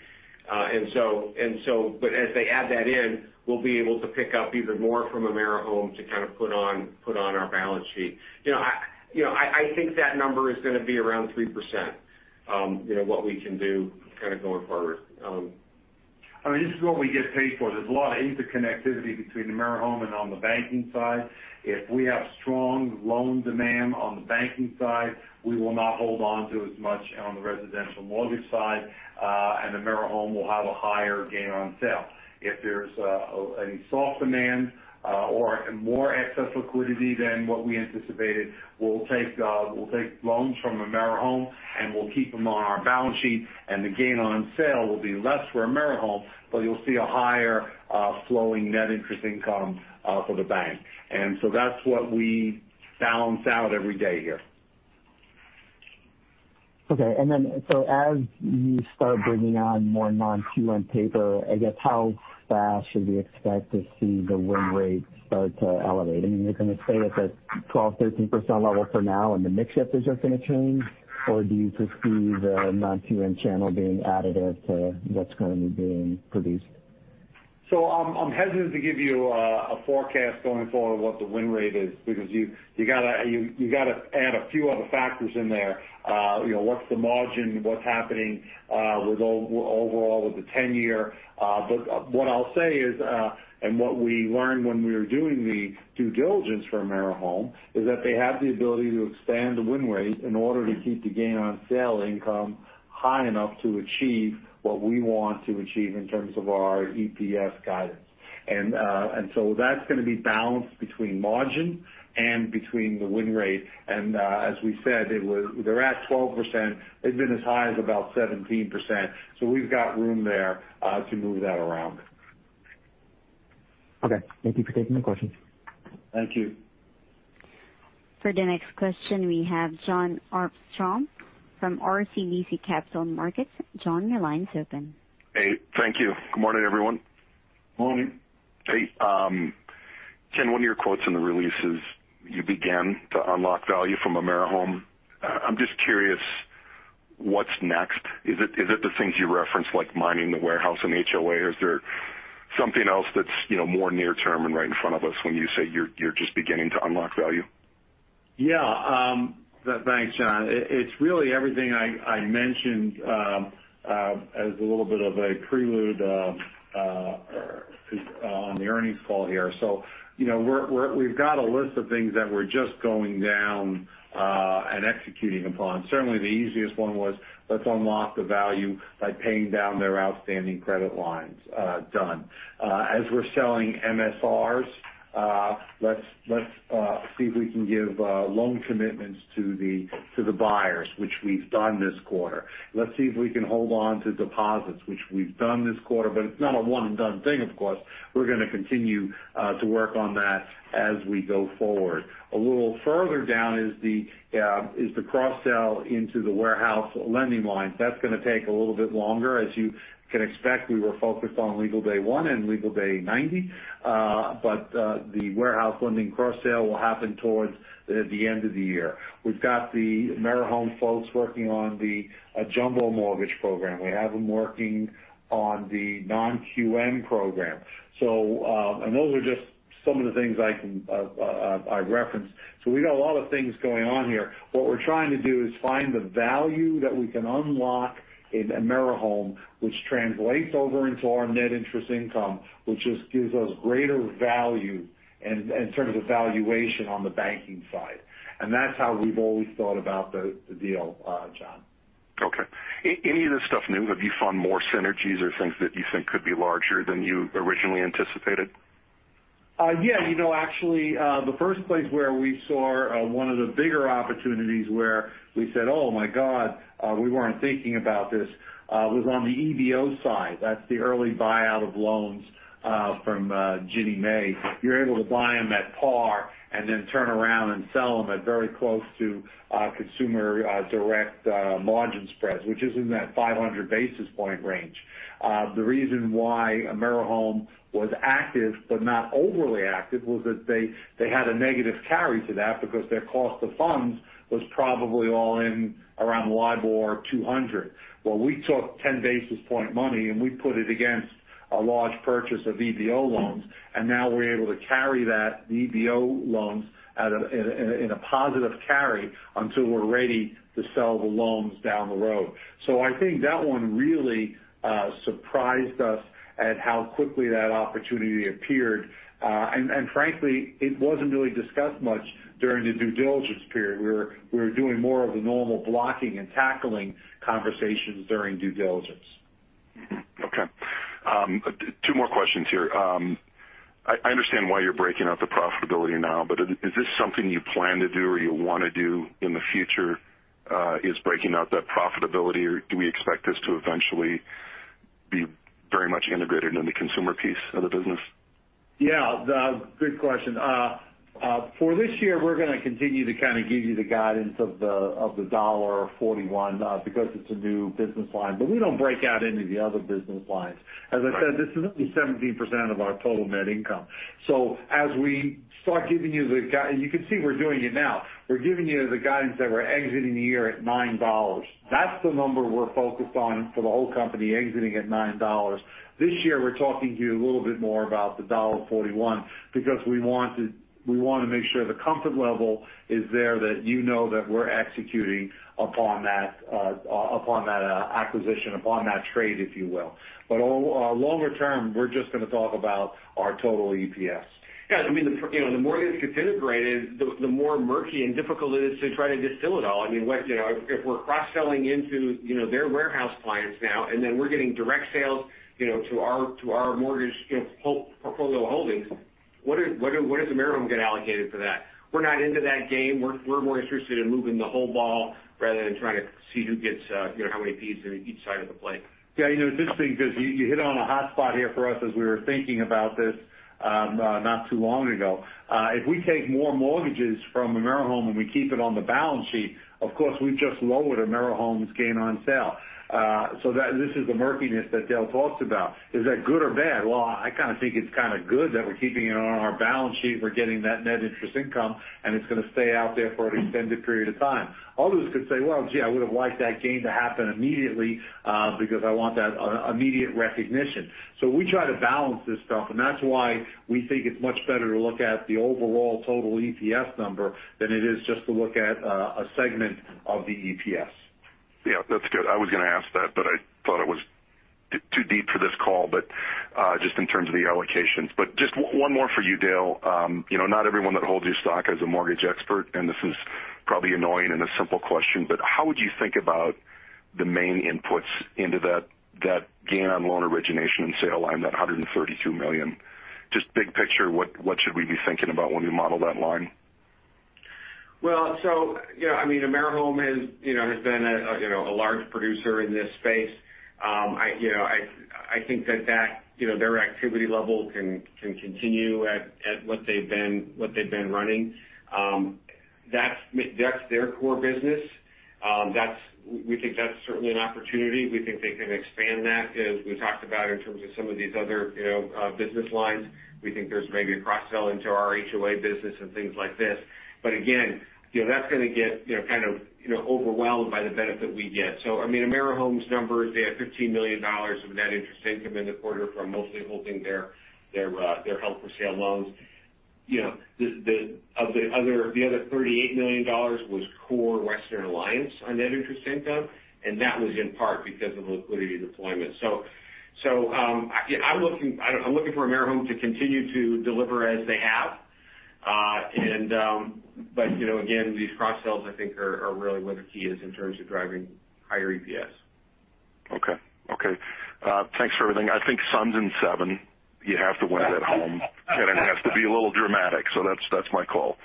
S4: As they add that in, we'll be able to pick up even more from AmeriHome to kind of put on our balance sheet. I think that number is going to be around 3%, what we can do kind of going forward.
S3: This is what we get paid for. There's a lot of interconnectivity between AmeriHome and on the banking side. If we have strong loan demand on the banking side, we will not hold on to as much on the residential mortgage side, and AmeriHome will have a higher gain on sale. If there's a soft demand or more excess liquidity than what we anticipated, we'll take loans from AmeriHome, and we'll keep them on our balance sheet, and the gain on sale will be less for AmeriHome, but you'll see a higher flowing net interest income for the bank. That's what we balance out every day here.
S10: Okay. As you start bringing on more non-QM paper, I guess how fast should we expect to see the win rate start to elevate? You're going to stay at that 12%, 13% level for now, and the mix shift is just going to change? Do you foresee the non-QM channel being additive to what's going to be being produced?
S3: I'm hesitant to give you a forecast going forward of what the win rate is because you've got to add a few other factors in there. What's the margin? What's happening overall with the 10 year? What I'll say is, and what we learned when we were doing the due diligence for AmeriHome, is that they have the ability to expand the win rate in order to keep the gain on sale income high enough to achieve what we want to achieve in terms of our EPS guidance. That's going to be balanced between margin and between the win rate. As we said, they're at 12%. They've been as high as about 17%, so we've got room there to move that around.
S10: Okay. Thank you for taking the question.
S3: Thank you.
S1: For the next question, we have Jon Arfstrom from RBC Capital Markets. Jon, your line's open.
S11: Hey, thank you. Good morning, everyone.
S3: Morning.
S11: Hey. Ken, one of your quotes in the release is you began to unlock value from AmeriHome. I'm just curious, what's next? Is it the things you referenced, like mining the warehouse and HOA? Is there something else that's more near term and right in front of us when you say you're just beginning to unlock value?
S3: Thanks, Jon. It's really everything I mentioned as a little bit of a prelude on the earnings call here. We've got a list of things that we're just going down and executing upon. Certainly the easiest one was let's unlock the value by paying down their outstanding credit lines. Done. We're selling MSRs, let's see if we can give loan commitments to the buyers, which we've done this quarter. Let's see if we can hold on to deposits, which we've done this quarter. It's not a one and done thing, of course. We're going to continue to work on that as we go forward. A little further down is the cross sell into the warehouse lending lines. That's going to take a little bit longer. You can expect, we were focused on legal day one and legal day 90. The warehouse lending cross-sale will happen towards the end of the year. We've got the AmeriHome folks working on the jumbo mortgage program. We have them working on the non-QM program. Those are just some of the things I referenced. We got a lot of things going on here. What we're trying to do is find the value that we can unlock in AmeriHome, which translates over into our net interest income, which just gives us greater value in terms of valuation on the banking side. That's how we've always thought about the deal, Jon.
S11: Okay. Any of this stuff new? Have you found more synergies or things that you think could be larger than you originally anticipated?
S3: Actually, the first place where we saw one of the bigger opportunities where we said, "Oh my God, we weren't thinking about this," was on the EBO side. That's the early buyout of loans from Ginnie Mae. You're able to buy them at par and then turn around and sell them at very close to consumer direct margin spreads, which is in that 500 basis point range. The reason why AmeriHome was active but not overly active was that they had a negative carry to that because their cost of funds was probably all in around LIBOR 200. Well, we took 10 basis point money, and we put it against a large purchase of EBO loans, and now we're able to carry that EBO loans in a positive carry until we're ready to sell the loans down the road. I think that one really surprised us at how quickly that opportunity appeared. Frankly, it wasn't really discussed much during the due diligence period. We were doing more of the normal blocking and tackling conversations during due diligence.
S11: Okay. Two more questions here. I understand why you're breaking out the profitability now, but is this something you plan to do or you want to do in the future, is breaking out that profitability, or do we expect this to eventually be very much integrated in the consumer piece of the business?
S3: Yeah. Good question. For this year, we're going to continue to kind of give you the guidance of the $1.41 because it's a new business line. We don't break out any of the other business lines. As I said, this is only 17% of our total net income. As we start giving you can see we're doing it now. We're giving you the guidance that we're exiting the year at $9. That's the number we're focused on for the whole company exiting at $9. This year, we're talking to you a little bit more about the $1.41 because we want to make sure the comfort level is there that you know that we're executing upon that acquisition, upon that trade, if you will. Longer term, we're just going to talk about our total EPS.
S4: Yeah. The more this gets integrated, the more murky and difficult it is to try to distill it all. If we're cross-selling into their warehouse clients now, and then we're getting direct sales to our mortgage portfolio holdings. What does AmeriHome get allocated for that? We're not into that game. We're more interested in moving the whole ball rather than trying to see who gets how many pieces in each side of the plate.
S3: It's interesting because you hit on a hot spot here for us as we were thinking about this not too long ago. If we take more mortgages from AmeriHome and we keep it on the balance sheet, of course, we've just lowered AmeriHome's gain on sale. This is the murkiness that Dale talks about. Is that good or bad? Well, I kind of think it's kind of good that we're keeping it on our balance sheet. We're getting that net interest income, and it's going to stay out there for an extended period of time. Others could say, "Well, gee, I would've liked that gain to happen immediately because I want that immediate recognition." We try to balance this stuff, and that's why we think it's much better to look at the overall total EPS number than it is just to look at a segment of the EPS.
S11: Yeah, that's good. I was going to ask that, but I thought it was too deep for this call, but just in terms of the allocations. Just one more for you, Dale. Not everyone that holds your stock is a mortgage expert, and this is probably annoying and a simple question, but how would you think about the main inputs into that gain on loan origination and sale line, that $132 million? Just big picture, what should we be thinking about when we model that line?
S4: Well, AmeriHome has been a large producer in this space. I think that their activity level can continue at what they've been running. That's their core business. We think that's certainly an opportunity. We think they can expand that, as we talked about in terms of some of these other business lines. We think there's maybe a cross-sell into our HOA business and things like this. Again, that's going to get kind of overwhelmed by the benefit we get. AmeriHome's numbers, they have $15 million of net interest income in the quarter from mostly holding their held-for-sale loans. The other $38 million was core Western Alliance on net interest income, and that was in part because of liquidity deployment. I'm looking for AmeriHome to continue to deliver as they have. Again, these cross-sells, I think, are really where the key is in terms of driving higher EPS.
S11: Okay. Thanks for everything. I think Suns in seven. You have to win at home, and it has to be a little dramatic. That's my call.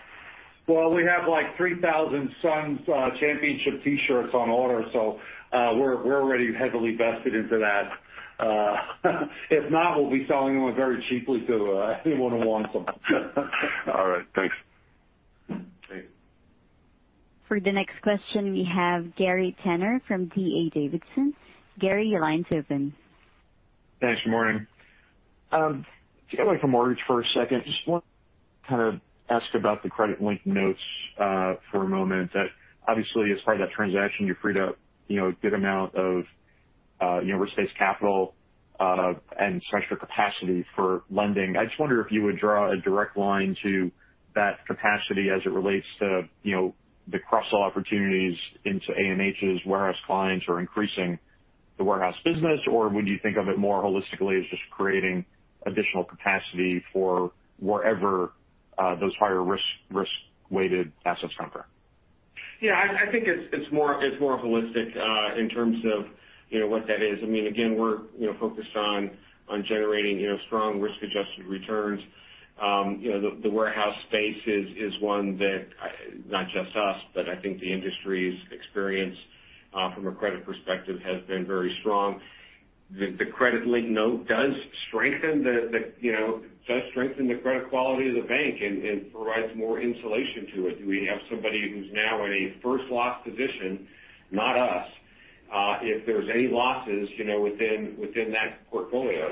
S3: Well, we have like 3,000 Suns championship T-shirts on order, so we're already heavily vested into that. If not, we'll be selling them very cheaply to anyone who wants them.
S11: All right. Thanks.
S3: Okay.
S1: For the next question, we have Gary Tenner from D.A. Davidson. Gary, your line's open.
S12: Thanks. Good morning. To get away from mortgage for a second, just want to kind of ask about the credit-linked notes for a moment. That obviously as part of that transaction, you freed up a good amount of risk-based capital and special capacity for lending. I just wonder if you would draw a direct line to that capacity as it relates to the cross-sell opportunities into AMH's warehouse clients or increasing the warehouse business, or would you think of it more holistically as just creating additional capacity for wherever those higher risk-weighted assets come from?
S4: Yeah, I think it's more holistic in terms of what that is. Again, we're focused on generating strong risk-adjusted returns. The warehouse space is one that, not just us, but I think the industry's experience from a credit perspective has been very strong. The credit-linked note does strengthen the credit quality of the bank and provides more insulation to it. We have somebody who's now in a first loss position, not us, if there's any losses within that portfolio.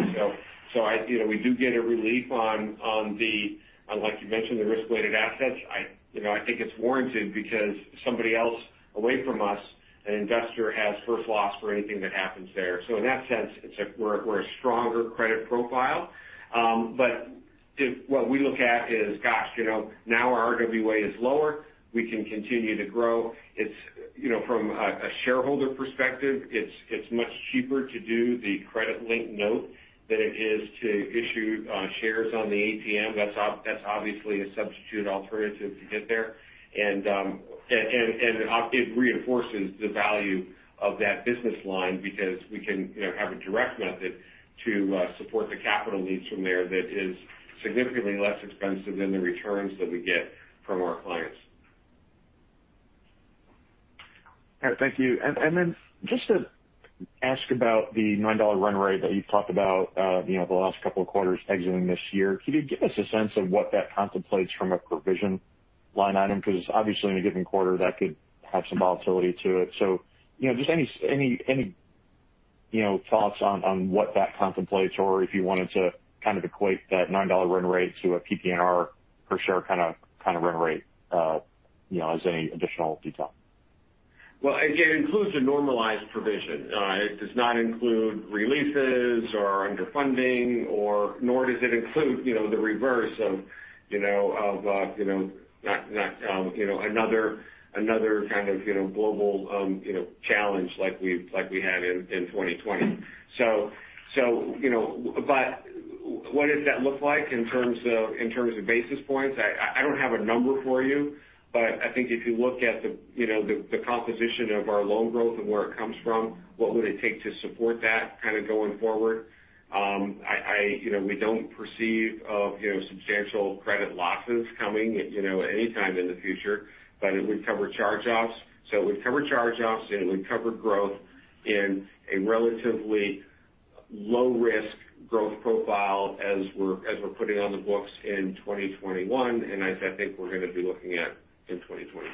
S4: I think we do get a relief on the, like you mentioned, the risk-weighted assets. I think it's warranted because somebody else away from us, an investor, has first loss for anything that happens there. In that sense, we're a stronger credit profile. What we look at is, gosh, now our RWA is lower. We can continue to grow. From a shareholder perspective, it's much cheaper to do the credit-linked note than it is to issue shares on the ATM. That's obviously a substitute alternative to get there. It reinforces the value of that business line because we can have a direct method to support the capital needs from there that is significantly less expensive than the returns that we get from our clients.
S12: All right. Thank you. Just to ask about the $9 run rate that you've talked about the last couple of quarters exiting this year. Could you give us a sense of what that contemplates from a provision line item? Obviously in a given quarter, that could have some volatility to it. Just any thoughts on what that contemplates, or if you wanted to kind of equate that $9 run rate to a PPNR per share kind of run rate as any additional detail.
S4: Well, again, it includes a normalized provision. It does not include releases or underfunding, nor does it include the reverse of another kind of global challenge like we had in 2020. What does that look like in terms of basis points? I don't have a number for you, but I think if you look at the composition of our loan growth and where it comes from, what would it take to support that going forward? We don't perceive substantial credit losses coming at any time in the future, but it would cover charge-offs. It would cover charge-offs, and it would cover growth in a relatively low-risk growth profile as we're putting on the books in 2021, and as I think we're going to be looking at in 2022.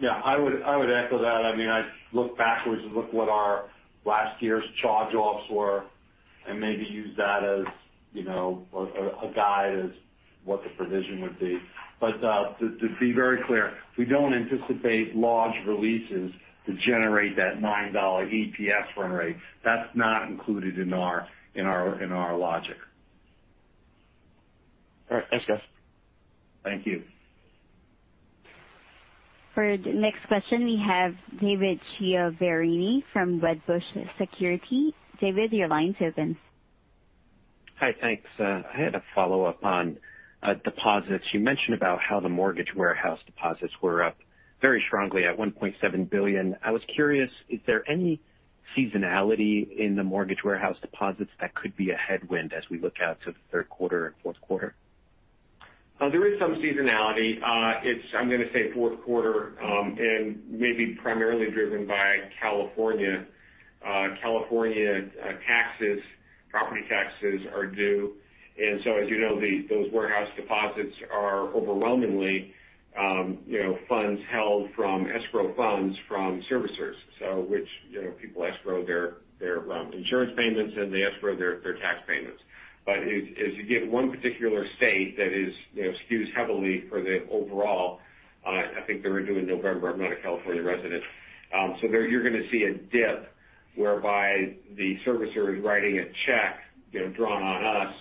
S3: Yeah, I would echo that. I'd look backwards and look what our last year's charge-offs were and maybe use that as a guide as what the provision would be. To be very clear, we don't anticipate large releases to generate that $9 EPS run rate. That's not included in our logic.
S12: All right. Thanks, guys.
S3: Thank you.
S1: For the next question, we have David Chiaverini from Wedbush Securities. David, your line's open.
S13: Hi. Thanks. I had a follow-up on deposits. You mentioned about how the mortgage warehouse deposits were up very strongly at $1.7 billion. I was curious, is there any seasonality in the mortgage warehouse deposits that could be a headwind as we look out to the third quarter and fourth quarter?
S4: There is some seasonality. It's fourth quarter and maybe primarily driven by California. California property taxes are due. As you know, those warehouse deposits are overwhelmingly funds held from escrow funds from servicers. Which people escrow their insurance payments, and they escrow their tax payments. As you get one particular state that skews heavily for the overall, I think they're due in November. I'm not a California resident. There you're going to see a dip whereby the servicer is writing a check drawn on us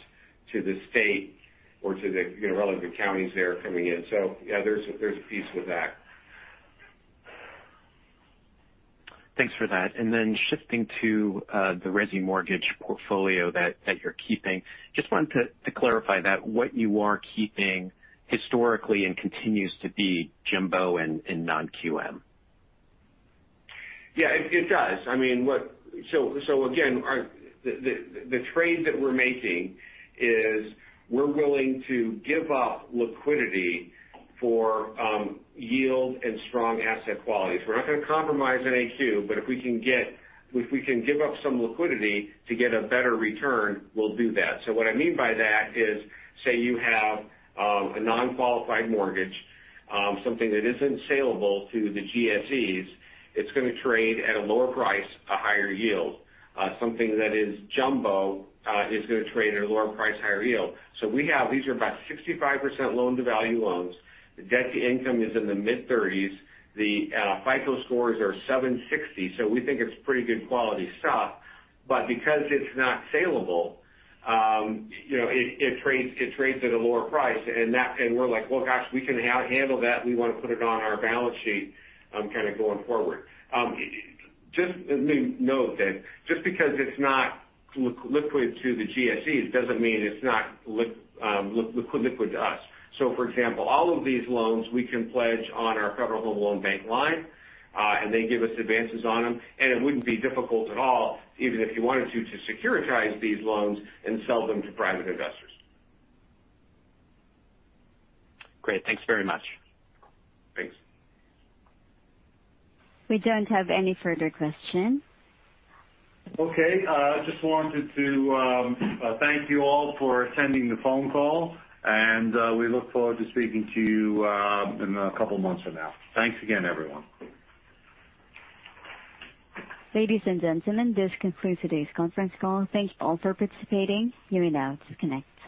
S4: to the state or to the relevant counties there coming in. Yeah, there's a piece with that.
S13: Thanks for that. Shifting to the resi mortgage portfolio that you're keeping, just wanted to clarify that what you are keeping historically and continues to be jumbo and non-QM.
S4: It does. Again, the trade that we're making is we're willing to give up liquidity for yield and strong asset qualities. We're not going to compromise on AQ, if we can give up some liquidity to get a better return, we'll do that. What I mean by that is, say you have a non-qualified mortgage, something that isn't saleable to the GSEs. It's going to trade at a lower price, a higher yield. Something that is jumbo is going to trade at a lower price, higher yield. These are about 65% loan-to-value loans. The debt-to-income is in the mid-30s. The FICO scores are 760, we think it's pretty good quality stuff. Because it's not saleable, it trades at a lower price, and we're like, well, gosh, we can handle that. We want to put it on our balance sheet going forward. Note that just because it's not liquid to the GSEs doesn't mean it's not liquid to us. For example, all of these loans we can pledge on our Federal Home Loan Bank line, and they give us advances on them. It wouldn't be difficult at all, even if you wanted to securitize these loans and sell them to private investors.
S13: Great. Thanks very much.
S4: Thanks.
S1: We don't have any further questions.
S3: Okay. Just wanted to thank you all for attending the phone call, and we look forward to speaking to you in a couple of months from now. Thanks again, everyone.
S1: Ladies and gentlemen, this concludes today's conference call. Thank you all for participating. You may now disconnect.